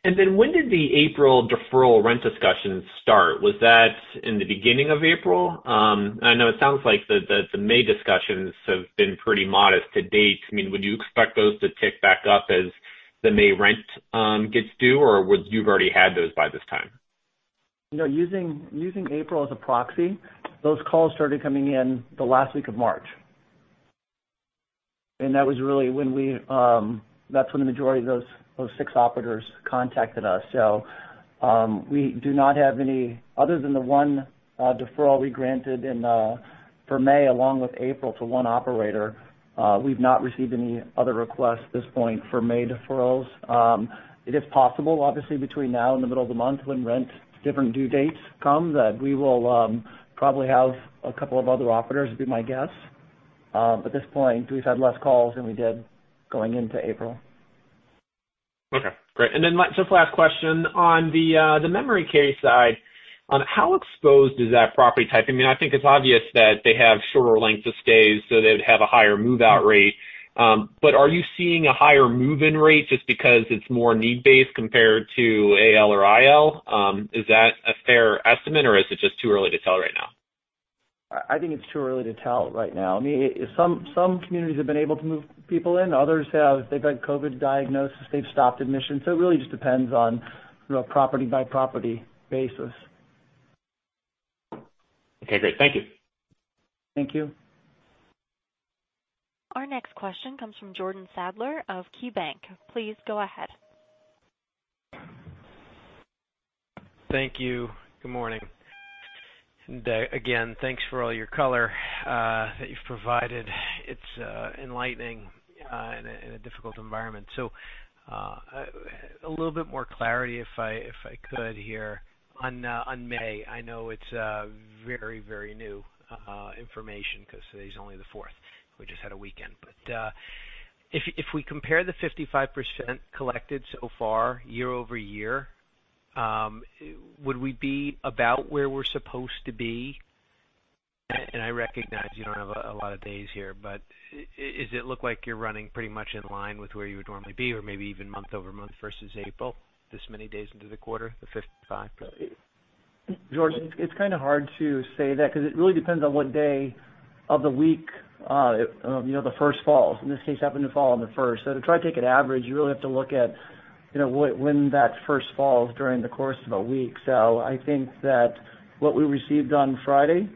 When did the April deferral rent discussions start? Was that in the beginning of April? I know it sounds like the May discussions have been pretty modest to date. Would you expect those to tick back up as the May rent gets due, or you've already had those by this time? Using April as a proxy, those calls started coming in the last week of March. That's when the majority of those six operators contacted us. We do not have any, other than the one deferral we granted for May, along with April, to one operator. We've not received any other requests at this point for May deferrals. It is possible, obviously, between now and the middle of the month, when rent different due dates come, that we will probably have a couple of other operators, would be my guess. At this point, we've had less calls than we did going into April. Okay, great. Just last question, on the memory care side, how exposed is that property type? I think it's obvious that they have shorter length of stays, so they would have a higher move-out rate. Are you seeing a higher move-in rate just because it's more need-based compared to AL or IL? Is that a fair estimate, or is it just too early to tell right now? I think it's too early to tell right now. Some communities have been able to move people in. Others, if they've had COVID diagnosis, they've stopped admissions. It really just depends on a property-by-property basis. Okay, great. Thank you. Thank you. Our next question comes from Jordan Sadler of KeyBanc. Please go ahead. Thank you. Good morning. Again, thanks for all your color that you've provided. It's enlightening in a difficult environment. A little bit more clarity, if I could here on May. I know it's very new information because today's only the 4th. We just had a weekend. If we compare the 55% collected so far year-over-year, would we be about where we're supposed to be? I recognize you don't have a lot of days here, but does it look like you're running pretty much in line with where you would normally be or maybe even month-over-month versus April, this many days into the quarter, the 55%? Jordan, it's kind of hard to say that because it really depends on what day of the week the first falls. In this case, it happened to fall on the first. To try to take an average, you really have to look at when that first falls during the course of a week. I think that what we received on Friday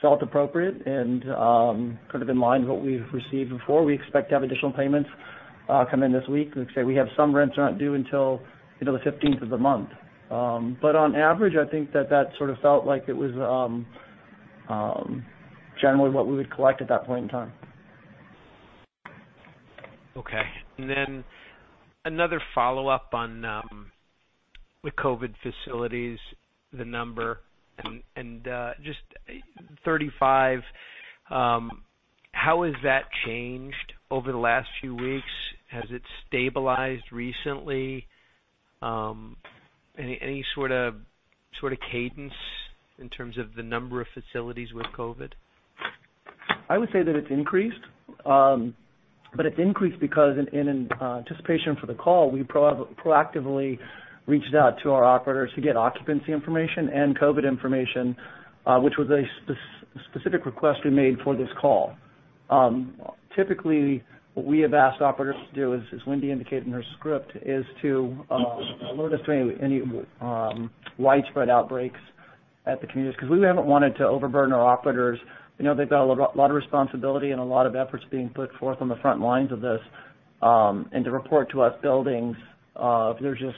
felt appropriate and kind of in line with what we've received before. We expect to have additional payments come in this week. Like I say, we have some rents are not due until the 15th of the month. On average, I think that sort of felt like it was generally what we would collect at that point in time. Okay. Another follow-up on the COVID facilities, the number and just 35. How has that changed over the last few weeks? Has it stabilized recently? Any sort of cadence in terms of the number of facilities with COVID? I would say that it's increased, but it's increased because in anticipation for the call, we proactively reached out to our operators to get occupancy information and COVID-19 information, which was a specific request we made for this call. Typically, what we have asked operators to do, as Wendy indicated in her script, is to alert us to any widespread outbreaks at the communities, because we haven't wanted to overburden our operators. They've got a lot of responsibility and a lot of efforts being put forth on the front lines of this, and to report to us buildings if there's just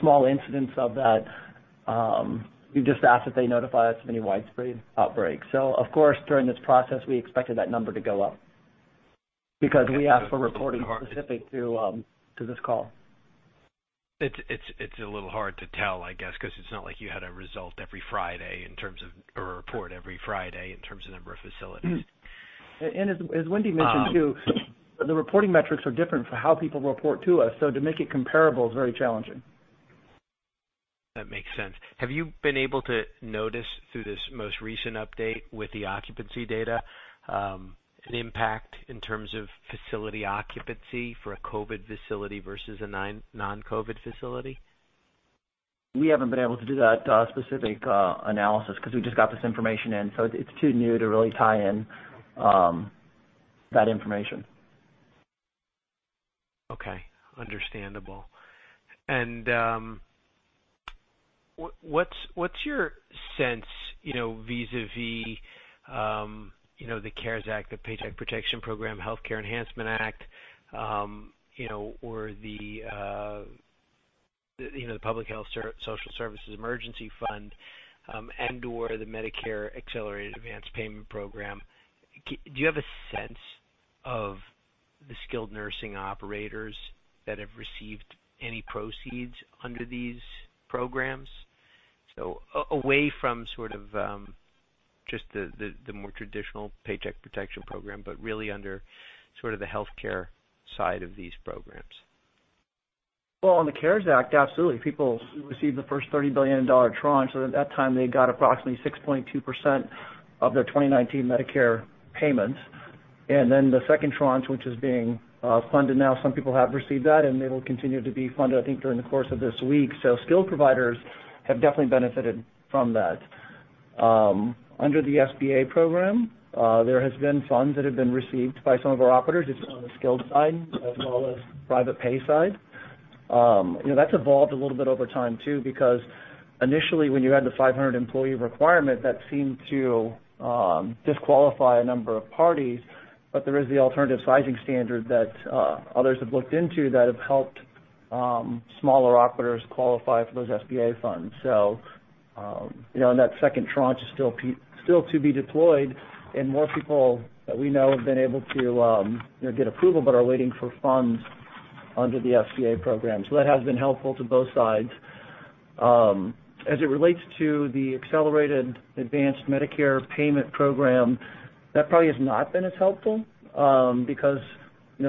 small incidents of that. We've just asked that they notify us of any widespread outbreaks. Of course, during this process, we expected that number to go up because we asked for reporting specific to this call. It's a little hard to tell, I guess, because it's not like you had a result every Friday in terms of a report every Friday in terms of number of facilities. As Wendy mentioned, too, the reporting metrics are different for how people report to us, so to make it comparable is very challenging. That makes sense. Have you been able to notice through this most recent update with the occupancy data an impact in terms of facility occupancy for a COVID facility versus a non-COVID facility? We haven't been able to do that specific analysis because we just got this information in. It's too new to really tie in that information. Okay. Understandable. What's your sense, vis-a-vis the CARES Act, the Paycheck Protection Program, Health Care Enhancement Act or the Public Health Social Services Emergency Fund, and/or the Medicare Accelerated and Advanced Payment Program. Do you have a sense of the skilled nursing operators that have received any proceeds under these programs? Away from just the more traditional Paycheck Protection Program, but really under the health care side of these programs. Well, on the CARES Act, absolutely. People received the first $30 billion tranche. At that time, they got approximately 6.2% of their 2019 Medicare payments. The second tranche, which is being funded now, some people have received that, and it'll continue to be funded, I think, during the course of this week. Skilled providers have definitely benefited from that. Under the SBA program, there has been funds that have been received by some of our operators. It's on the skilled side as well as private pay side. That's evolved a little bit over time too, because initially when you had the 500-employee requirement, that seemed to disqualify a number of parties, but there is the alternative sizing standard that others have looked into that have helped smaller operators qualify for those SBA funds. And that second tranche is still to be deployed, and more people that we know have been able to get approval but are waiting for funds under the SBA program. That has been helpful to both sides. As it relates to the Medicare Accelerated and Advance Payment Program, that probably has not been as helpful. Because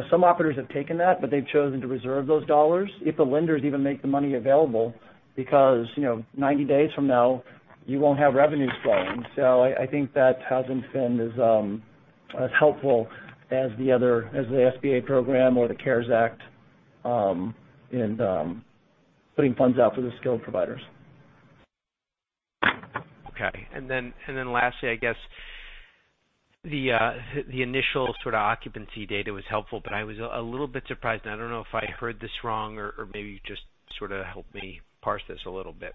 some operators have taken that, but they've chosen to reserve those dollars if the lenders even make the money available because, 90 days from now, you won't have revenues flowing. I think that hasn't been as helpful as the SBA program or the CARES Act in putting funds out for the skilled providers. Lastly, I guess, the initial sort of occupancy data was helpful, but I was a little bit surprised, and I don't know if I heard this wrong or maybe you just sort of helped me parse this a little bit.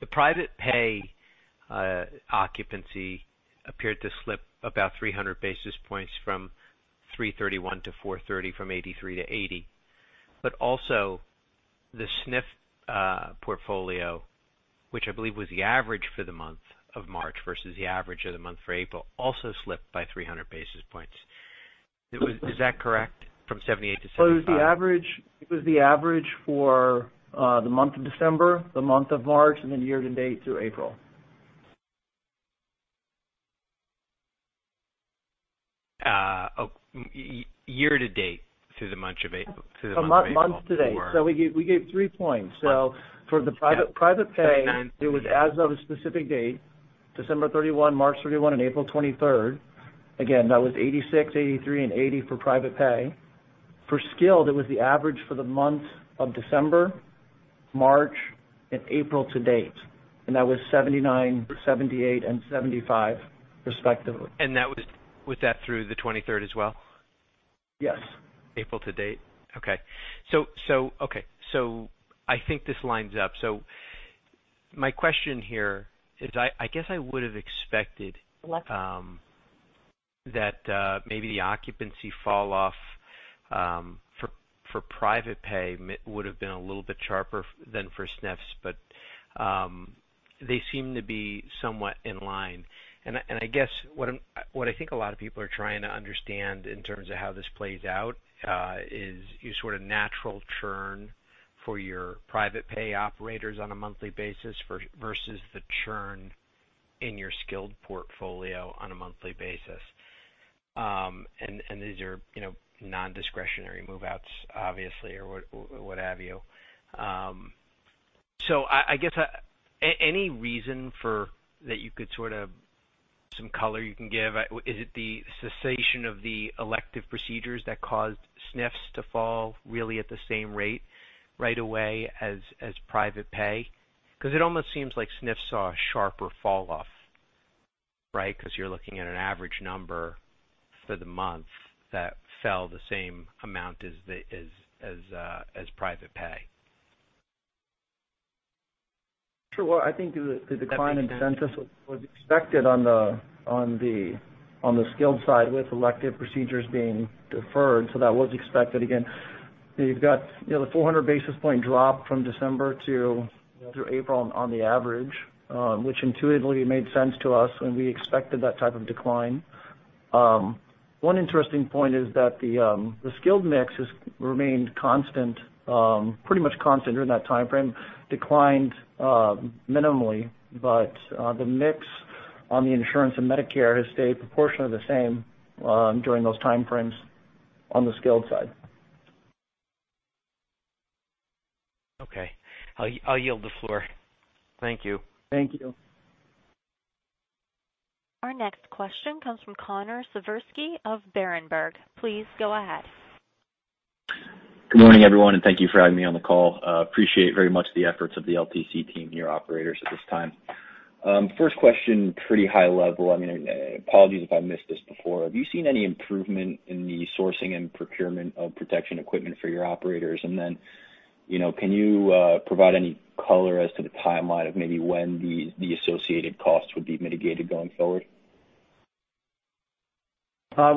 The private pay occupancy appeared to slip about 300 basis points from 331 to 430 from 83 to 80. Also the SNF portfolio, which I believe was the average for the month of March versus the average of the month for April, also slipped by 300 basis points. Is that correct? From 78 to 75. It was the average for the month of December, the month of March, and then year-to-date through April. Year-to-date through the month of April. Month-to-date. We gave three points. For the private pay, it was as of a specific date, December 31, March 31, and April 23rd. Again, that was 86, 83, and 80 for private pay. For skilled, it was the average for the month of December, March, and April to date, that was 79, 78, and 75 respectively. Was that through the 23rd as well? Yes. April to date? Okay. I think this lines up. My question here is, I guess I would've expected that maybe the occupancy fall off for private pay would've been a little bit sharper than for SNFs, but they seem to be somewhat in line. I guess what I think a lot of people are trying to understand in terms of how this plays out is your sort of natural churn for your private pay operators on a monthly basis versus the churn in your skilled portfolio on a monthly basis. These are nondiscretionary move-outs obviously, or what have you. I guess any reason that you could some color you can give? Is it the cessation of the elective procedures that caused SNFs to fall really at the same rate right away as private pay? It almost seems like SNFs saw a sharper fall off, right? You're looking at an average number for the month that fell the same amount as private pay. Sure. Well, I think the decline in census was expected on the skilled side with elective procedures being deferred, so that was expected. Again, you've got the 400 basis point drop from December through April on the average, which intuitively made sense to us when we expected that type of decline. One interesting point is that the skilled mix has remained pretty much constant during that timeframe, declined minimally. The mix on the insurance and Medicare has stayed proportionally the same during those timeframes on the skilled side. Okay. I'll yield the floor. Thank you. Thank you. Our next question comes from Connor Siversky of Berenberg. Please go ahead. Good morning, everyone. Thank you for having me on the call. Appreciate very much the efforts of the LTC team here, operators, at this time. First question, pretty high level. Apologies if I missed this before. Have you seen any improvement in the sourcing and procurement of protection equipment for your operators? Can you provide any color as to the timeline of maybe when the associated costs would be mitigated going forward?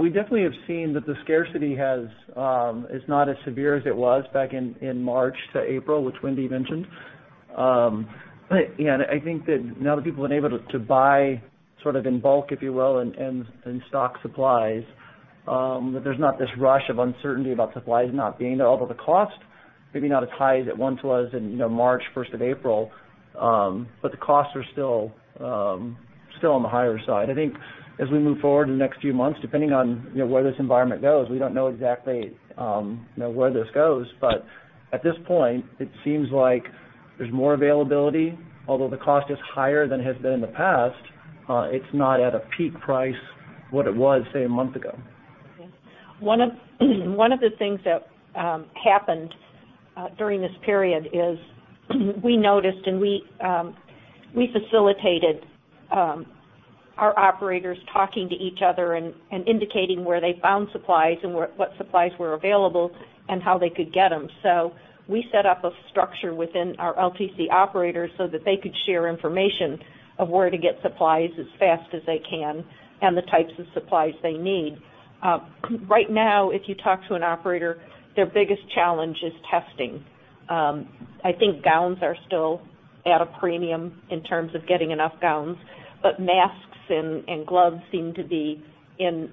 We definitely have seen that the scarcity is not as severe as it was back in March to April, which Wendy mentioned. Yeah, and I think that now that people have been able to buy sort of in bulk, if you will, and stock supplies, that there's not this rush of uncertainty about supplies not being there. The cost, maybe not as high as it once was in March 1st of April, but the costs are still on the higher side. I think as we move forward in the next few months, depending on where this environment goes, we don't know exactly where this goes, but at this point, it seems like there's more availability, although the cost is higher than it has been in the past, it's not at a peak price what it was, say, a month ago. Okay. One of the things that happened during this period is we noticed and we facilitated our LTC operators talking to each other and indicating where they found supplies and what supplies were available and how they could get them. We set up a structure within our LTC operators so that they could share information of where to get supplies as fast as they can and the types of supplies they need. Right now, if you talk to an operator, their biggest challenge is testing. I think gowns are still at a premium in terms of getting enough gowns, but masks and gloves seem to be in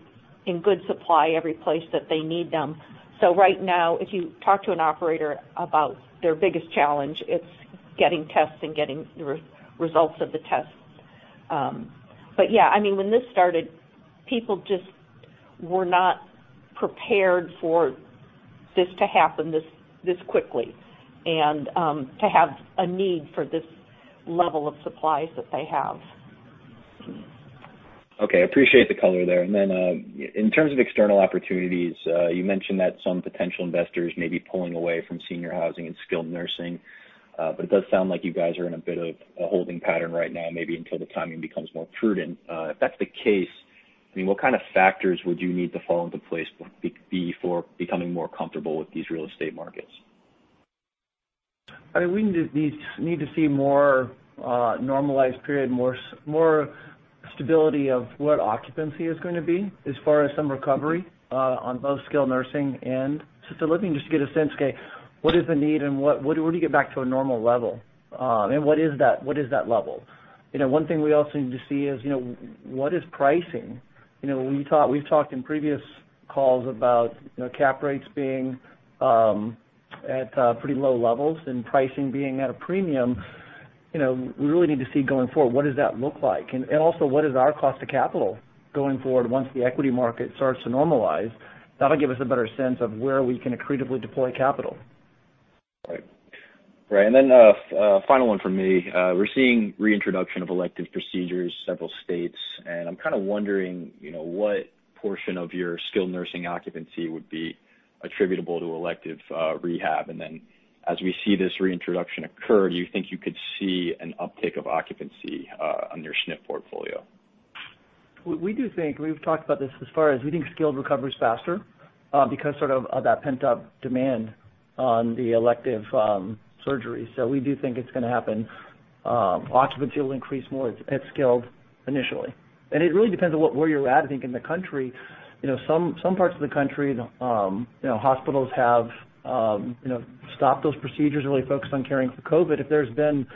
good supply every place that they need them. Right now, if you talk to an operator about their biggest challenge, it's getting tests and getting the results of the tests. Yeah, when this started, people just were not prepared for this to happen this quickly and to have a need for this level of supplies that they have. Okay. Appreciate the color there. In terms of external opportunities, you mentioned that some potential investors may be pulling away from senior housing and skilled nursing, but it does sound like you guys are in a bit of a holding pattern right now, maybe until the timing becomes more prudent. If that's the case, what kind of factors would you need to fall into place before becoming more comfortable with these real estate markets? We need to see more normalized period, more stability of what occupancy is going to be as far as some recovery, on both skilled nursing and assisted living, just to get a sense, okay, what is the need and when do you get back to a normal level? What is that level? One thing we also need to see is, what is pricing? We've talked in previous calls about cap rates being at pretty low levels and pricing being at a premium. We really need to see going forward, what does that look like? Also, what is our cost of capital going forward, once the equity market starts to normalize? That'll give us a better sense of where we can accretively deploy capital. Right. Final one from me. We're seeing reintroduction of elective procedures, several states, and I'm kind of wondering, what portion of your skilled nursing occupancy would be attributable to elective rehab? As we see this reintroduction occur, do you think you could see an uptick of occupancy on your SNF portfolio? We do think, we've talked about this as far as we think skilled recovers faster, because sort of that pent-up demand on the elective surgeries. We do think it's going to happen. Occupancy will increase more at skilled initially. It really depends on where you're at, I think, in the country. Some parts of the country, hospitals have stopped those procedures and really focused on caring for COVID. If there's been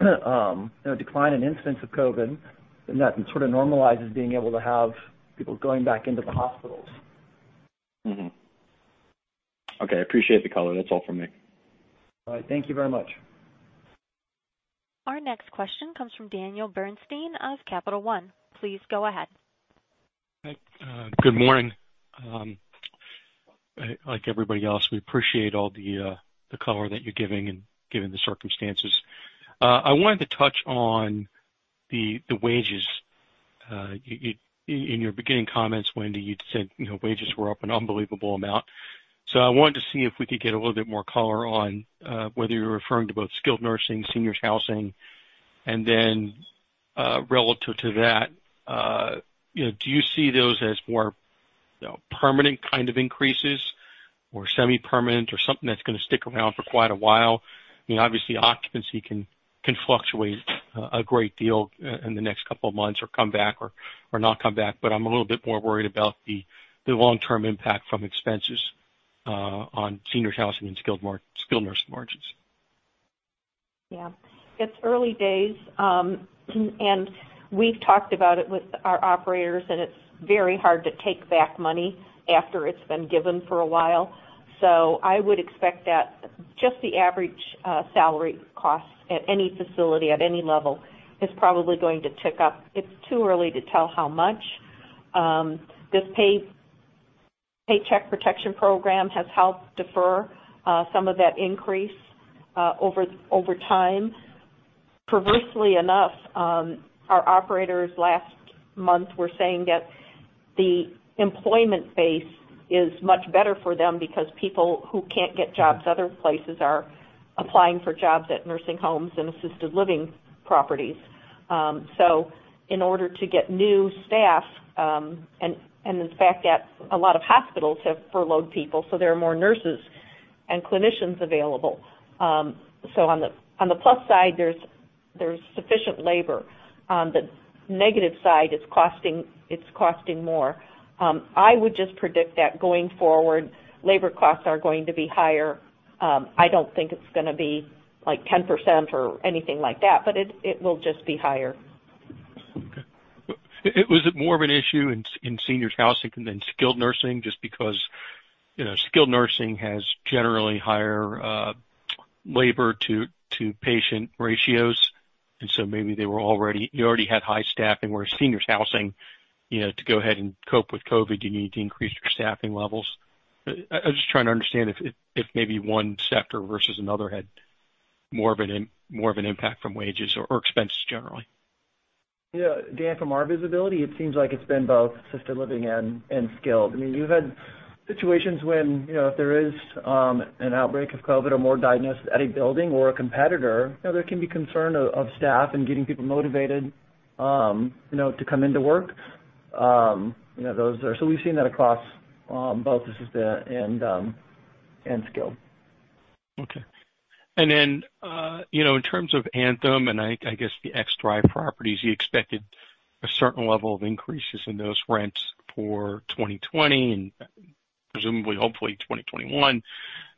a decline in incidence of COVID, then that sort of normalizes being able to have people going back into the hospitals. Okay. Appreciate the color. That's all from me. All right. Thank you very much. Our next question comes from Daniel Bernstein of Capital One. Please go ahead. Hi. Good morning. Like everybody else, we appreciate all the color that you're giving and given the circumstances. I wanted to touch on the wages. In your beginning comments, Wendy, you'd said wages were up an unbelievable amount. I wanted to see if we could get a little bit more color on whether you were referring to both skilled nursing, seniors housing, and then, relative to that, do you see those as more permanent kind of increases or semi-permanent or something that's going to stick around for quite a while? Obviously, occupancy can fluctuate a great deal in the next couple of months or come back or not come back, but I'm a little bit more worried about the long-term impact from expenses on seniors housing and skilled nursing margins. It's early days, and we've talked about it with our operators, and it's very hard to take back money after it's been given for a while. I would expect that just the average salary costs at any facility at any level is probably going to tick up. It's too early to tell how much. This Paycheck Protection Program has helped defer some of that increase over time. Perversely enough, our operators last month were saying that the employment base is much better for them because people who can't get jobs other places are applying for jobs at nursing homes and assisted living properties. In order to get new staff, and in fact, a lot of hospitals have furloughed people, so there are more nurses and clinicians available. On the plus side, there's sufficient labor. On the negative side, it's costing more. I would just predict that going forward, labor costs are going to be higher. I don't think it's going to be 10% or anything like that. It will just be higher. Okay. Was it more of an issue in seniors housing than skilled nursing, just because skilled nursing has generally higher labor to patient ratios, maybe they already had high staffing, whereas seniors housing, to go ahead and cope with COVID, you need to increase your staffing levels? I'm just trying to understand if maybe one sector versus another had more of an impact from wages or expenses generally. Yeah. Dan, from our visibility, it seems like it's been both assisted living and skilled. You've had situations when, if there is an outbreak of COVID or more diagnosed at a building or a competitor, there can be concern of staff and getting people motivated to come into work. We've seen that across both assisted and skilled. Okay. In terms of Anthem, and I guess the ex-Thrive properties, you expected a certain level of increases in those rents for 2020 and presumably, hopefully 2021.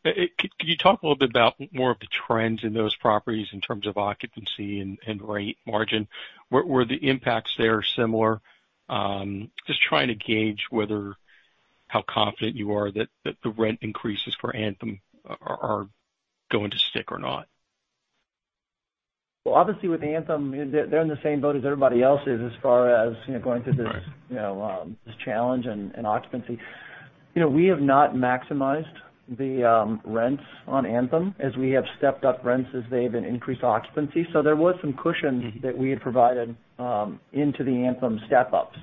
Could you talk a little bit about more of the trends in those properties in terms of occupancy and rate margin? Were the impacts there similar? Just trying to gauge how confident you are that the rent increases for Anthem are going to stick or not. Well, obviously with Anthem, they're in the same boat as everybody else is as far as going through this challenge and occupancy. We have not maximized the rents on Anthem as we have stepped up rents as they have increased occupancy. There was some cushion that we had provided into the Anthem step-ups.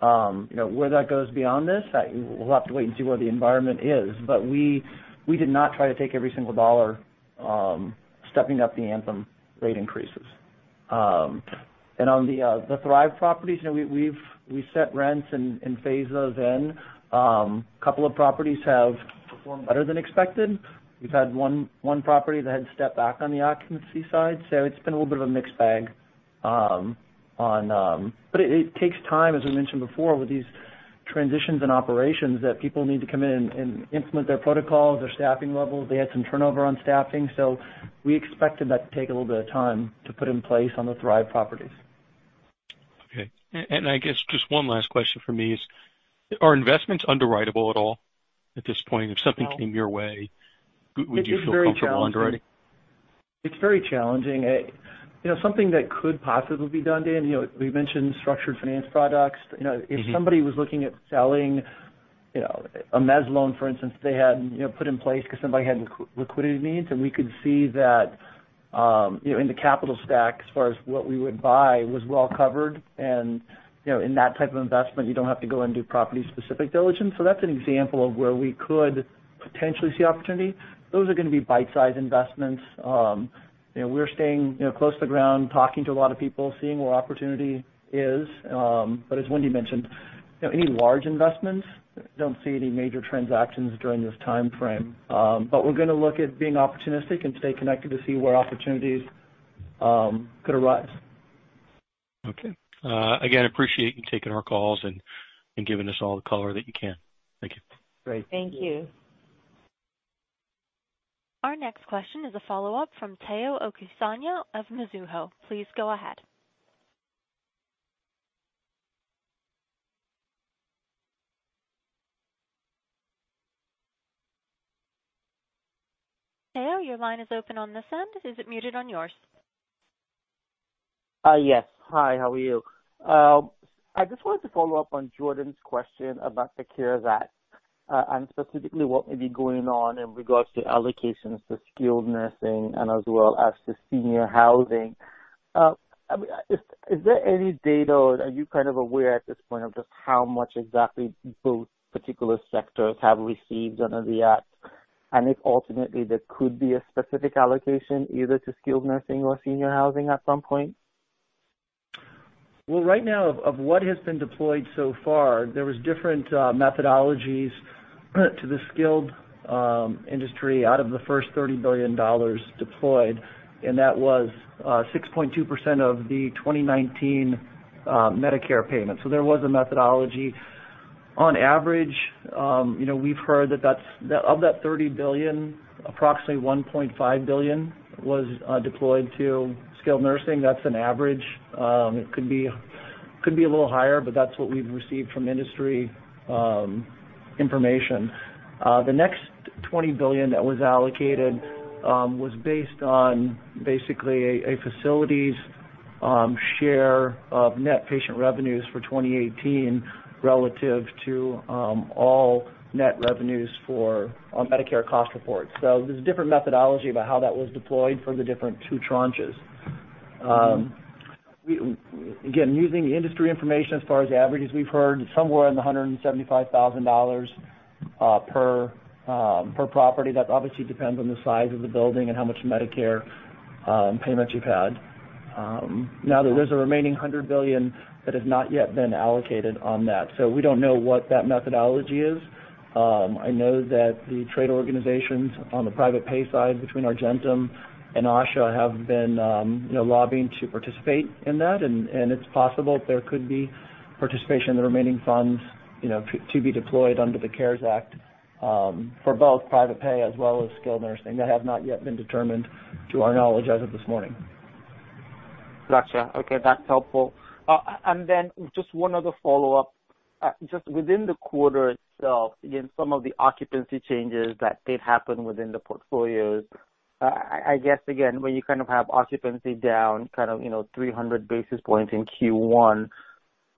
Where that goes beyond this, we'll have to wait and see where the environment is. We did not try to take every single dollar stepping up the Anthem rate increases. On the Thrive properties, we set rents and phase those in. A couple of properties have performed better than expected. We've had one property that had to step back on the occupancy side. It's been a little bit of a mixed bag. It takes time, as we mentioned before, with these transitions and operations, that people need to come in and implement their protocols, their staffing levels. They had some turnover on staffing, so we expected that to take a little bit of time to put in place on the Thrive properties. Okay. I guess just one last question from me is, are investments underwriteable at all at this point? If something came your way, would you feel comfortable underwriting? It's very challenging. Something that could possibly be done, Dan, we mentioned structured finance products. If somebody was looking at selling a mezz loan, for instance, they had put in place because somebody had liquidity needs, and we could see that in the capital stack as far as what we would buy was well covered. In that type of investment, you don't have to go and do property-specific diligence. That's an example of where we could potentially see opportunity. Those are going to be bite-size investments. We're staying close to the ground, talking to a lot of people, seeing where opportunity is. As Wendy mentioned, any large investments, don't see any major transactions during this timeframe. We're going to look at being opportunistic and stay connected to see where opportunities could arise. Okay. Appreciate you taking our calls and giving us all the color that you can. Thank you. Great. Thank you. Our next question is a follow-up from Tayo Okusanya of Mizuho. Please go ahead. Tayo, your line is open on the send. Is it muted on yours? Yes. Hi, how are you? I just wanted to follow up on Jordan's question about the CARES Act, and specifically what may be going on in regards to allocations to skilled nursing and as well as to senior housing. Is there any data, or are you kind of aware at this point of just how much exactly both particular sectors have received under the act, and if ultimately there could be a specific allocation either to skilled nursing or senior housing at some point? Well, right now, of what has been deployed so far, there was different methodologies to the skilled industry out of the first $30 billion deployed, and that was 6.2% of the 2019 Medicare payment. There was a methodology. On average, we've heard that of that $30 billion, approximately $1.5 billion was deployed to skilled nursing. That's an average. It could be a little higher, but that's what we've received from industry information. The next $20 billion that was allocated was based on basically a facility's share of net patient revenues for 2018 relative to all net revenues for Medicare cost reports. There's a different methodology about how that was deployed for the different two tranches. Again, using the industry information as far as averages, we've heard somewhere in the $175,000 per property. That obviously depends on the size of the building and how much Medicare payments you've had. Now, there is a remaining $100 billion that has not yet been allocated on that. We don't know what that methodology is. I know that the trade organizations on the private pay side between Argentum and ASHA have been lobbying to participate in that. It's possible there could be participation in the remaining funds to be deployed under the CARES Act, for both private pay as well as skilled nursing. That has not yet been determined to our knowledge as of this morning. Got you. Okay, that's helpful. Just one other follow-up. Just within the quarter itself, again, some of the occupancy changes that did happen within the portfolios. I guess again, when you have occupancy down 300 basis points in Q1,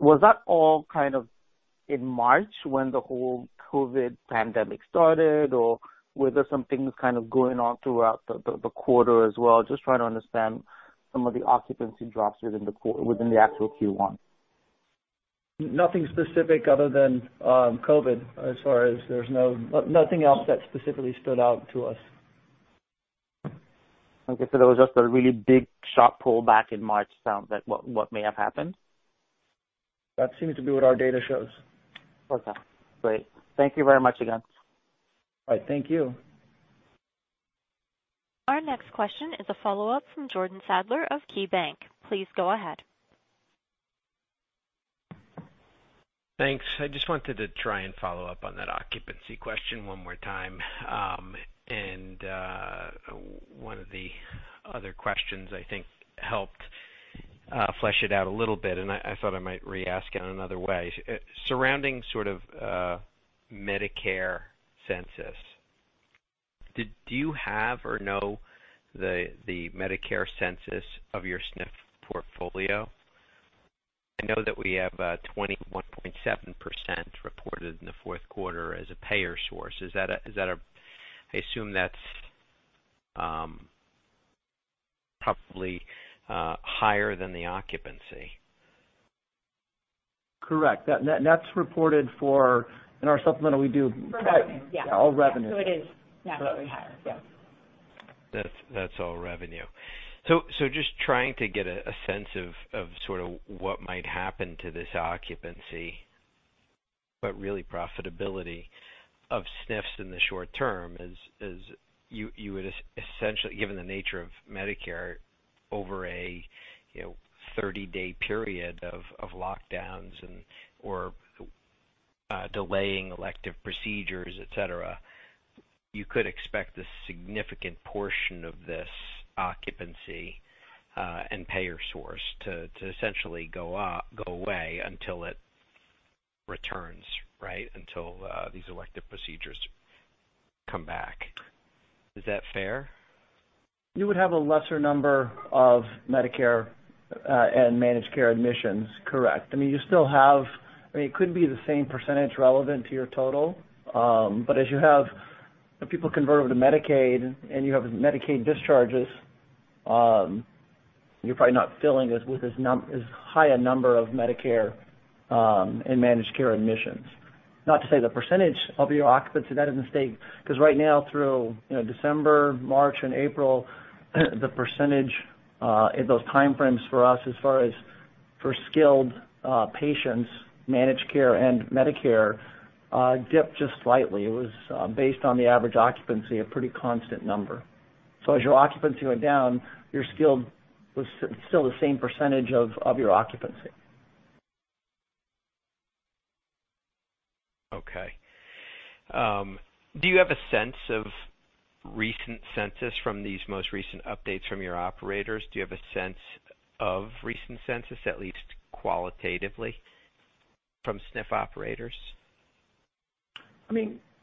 was that all in March when the whole COVID pandemic started? Were there some things going on throughout the quarter as well? Just trying to understand some of the occupancy drops within the actual Q1. Nothing specific other than COVID as far as there's nothing else that specifically stood out to us. Okay, that was just a really big sharp pullback in March, sounds like what may have happened? That seems to be what our data shows. Okay, great. Thank you very much again. All right, thank you. Our next question is a follow-up from Jordan Sadler of KeyBanc. Please go ahead. Thanks. I just wanted to try and follow up on that occupancy question one more time. One of the other questions I think helped flesh it out a little bit, and I thought I might re-ask it another way. Surrounding sort of Medicare census, do you have or know the Medicare census of your SNF portfolio? I know that we have 21.7% reported in the Q4 as a payer source. I assume that's probably higher than the occupancy. Correct. That's reported for, in our supplemental we do. For all revenue. All revenue. It is naturally higher, yes. That's all revenue. Just trying to get a sense of sort of what might happen to this occupancy, but really profitability of SNFs in the short term is, you would essentially, given the nature of Medicare over a 30-day period of lockdowns or delaying elective procedures, et cetera, you could expect a significant portion of this occupancy and payer source to essentially go away until it returns, right? Until these elective procedures come back. Is that fair? You would have a lesser number of Medicare and managed care admissions, correct. It could be the same percentage relevant to your total. As you have people convert over to Medicaid, and you have Medicaid discharges, you're probably not filling as with as high a number of Medicare and managed care admissions. Not to say the percentage of your occupancy, that is a mistake, because right now through December, March, and April, the percentage in those time frames for us as far as for skilled patients, managed care and Medicare, dipped just slightly. It was based on the average occupancy, a pretty constant number. As your occupancy went down, your skilled was still the same percentage of your occupancy. Okay. Do you have a sense of recent census from these most recent updates from your operators? Do you have a sense of recent census, at least qualitatively from SNF operators?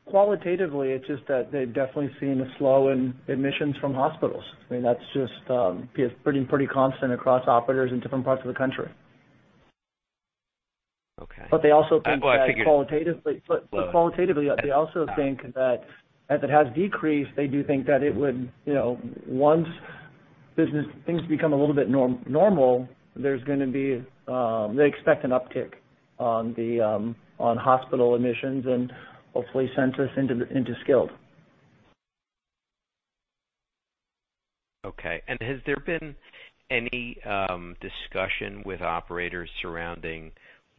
Qualitatively, it's just that they've definitely seen a slow in admissions from hospitals. That's just pretty constant across operators in different parts of the country. Okay. Qualitatively, they also think that as it has decreased, they do think that it would, once business things become a little bit normal, they expect an uptick on hospital admissions and hopefully census into skilled. Okay. Has there been any discussion with operators surrounding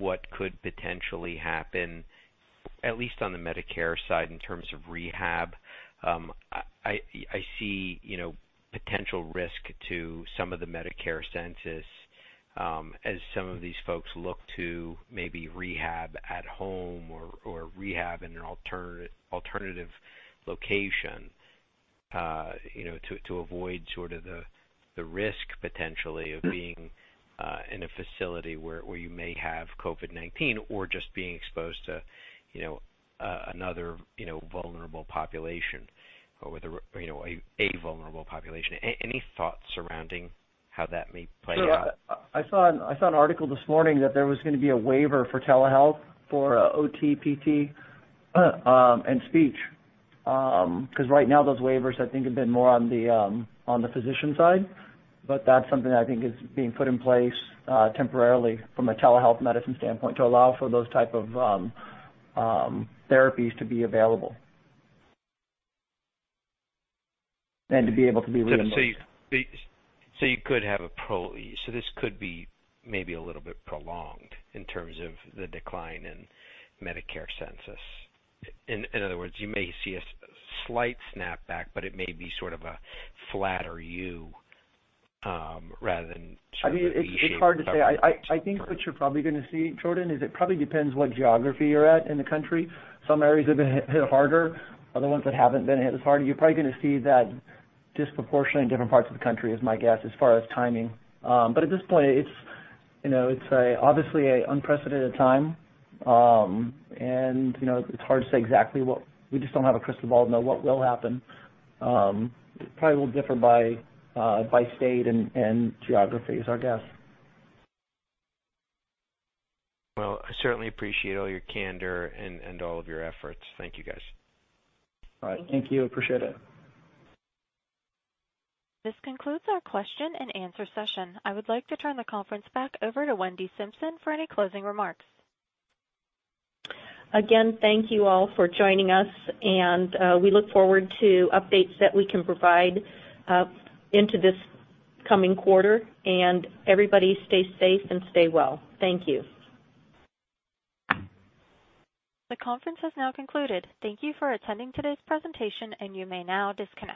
what could potentially happen, at least on the Medicare side, in terms of rehab? I see potential risk to some of the Medicare census, as some of these folks look to maybe rehab at home or rehab in an alternative location, to avoid sort of the risk, potentially, of being in a facility where you may have COVID-19 or just being exposed to another vulnerable population. Any thoughts surrounding how that may play out? I saw an article this morning that there was going to be a waiver for telehealth, for OT, PT, and speech, because right now those waivers, I think, have been more on the physician side. That's something that I think is being put in place temporarily from a telehealth medicine standpoint to allow for those type of therapies to be available and to be able to be reimbursed. This could be maybe a little bit prolonged in terms of the decline in Medicare census. In other words, you may see a slight snapback, but it may be sort of a flatter U, rather than sort of a V-shaped recovery. It's hard to say. I think what you're probably going to see, Jordan, is it probably depends what geography you're at in the country. Some areas have been hit harder. Other ones that haven't been hit as hard, you're probably going to see that disproportionately in different parts of the country is my guess, as far as timing. At this point, it's obviously an unprecedented time, and it's hard to say. We just don't have a crystal ball to know what will happen. It probably will differ by state and geography is our guess. Well, I certainly appreciate all your candor and all of your efforts. Thank you, guys. All right. Thank you. Appreciate it. This concludes our question and answer session. I would like to turn the conference back over to Wendy Simpson for any closing remarks. Again, thank you all for joining us, and we look forward to updates that we can provide into this coming quarter, and everybody stay safe and stay well. Thank you. The conference has now concluded. Thank you for attending today's presentation, and you may now disconnect.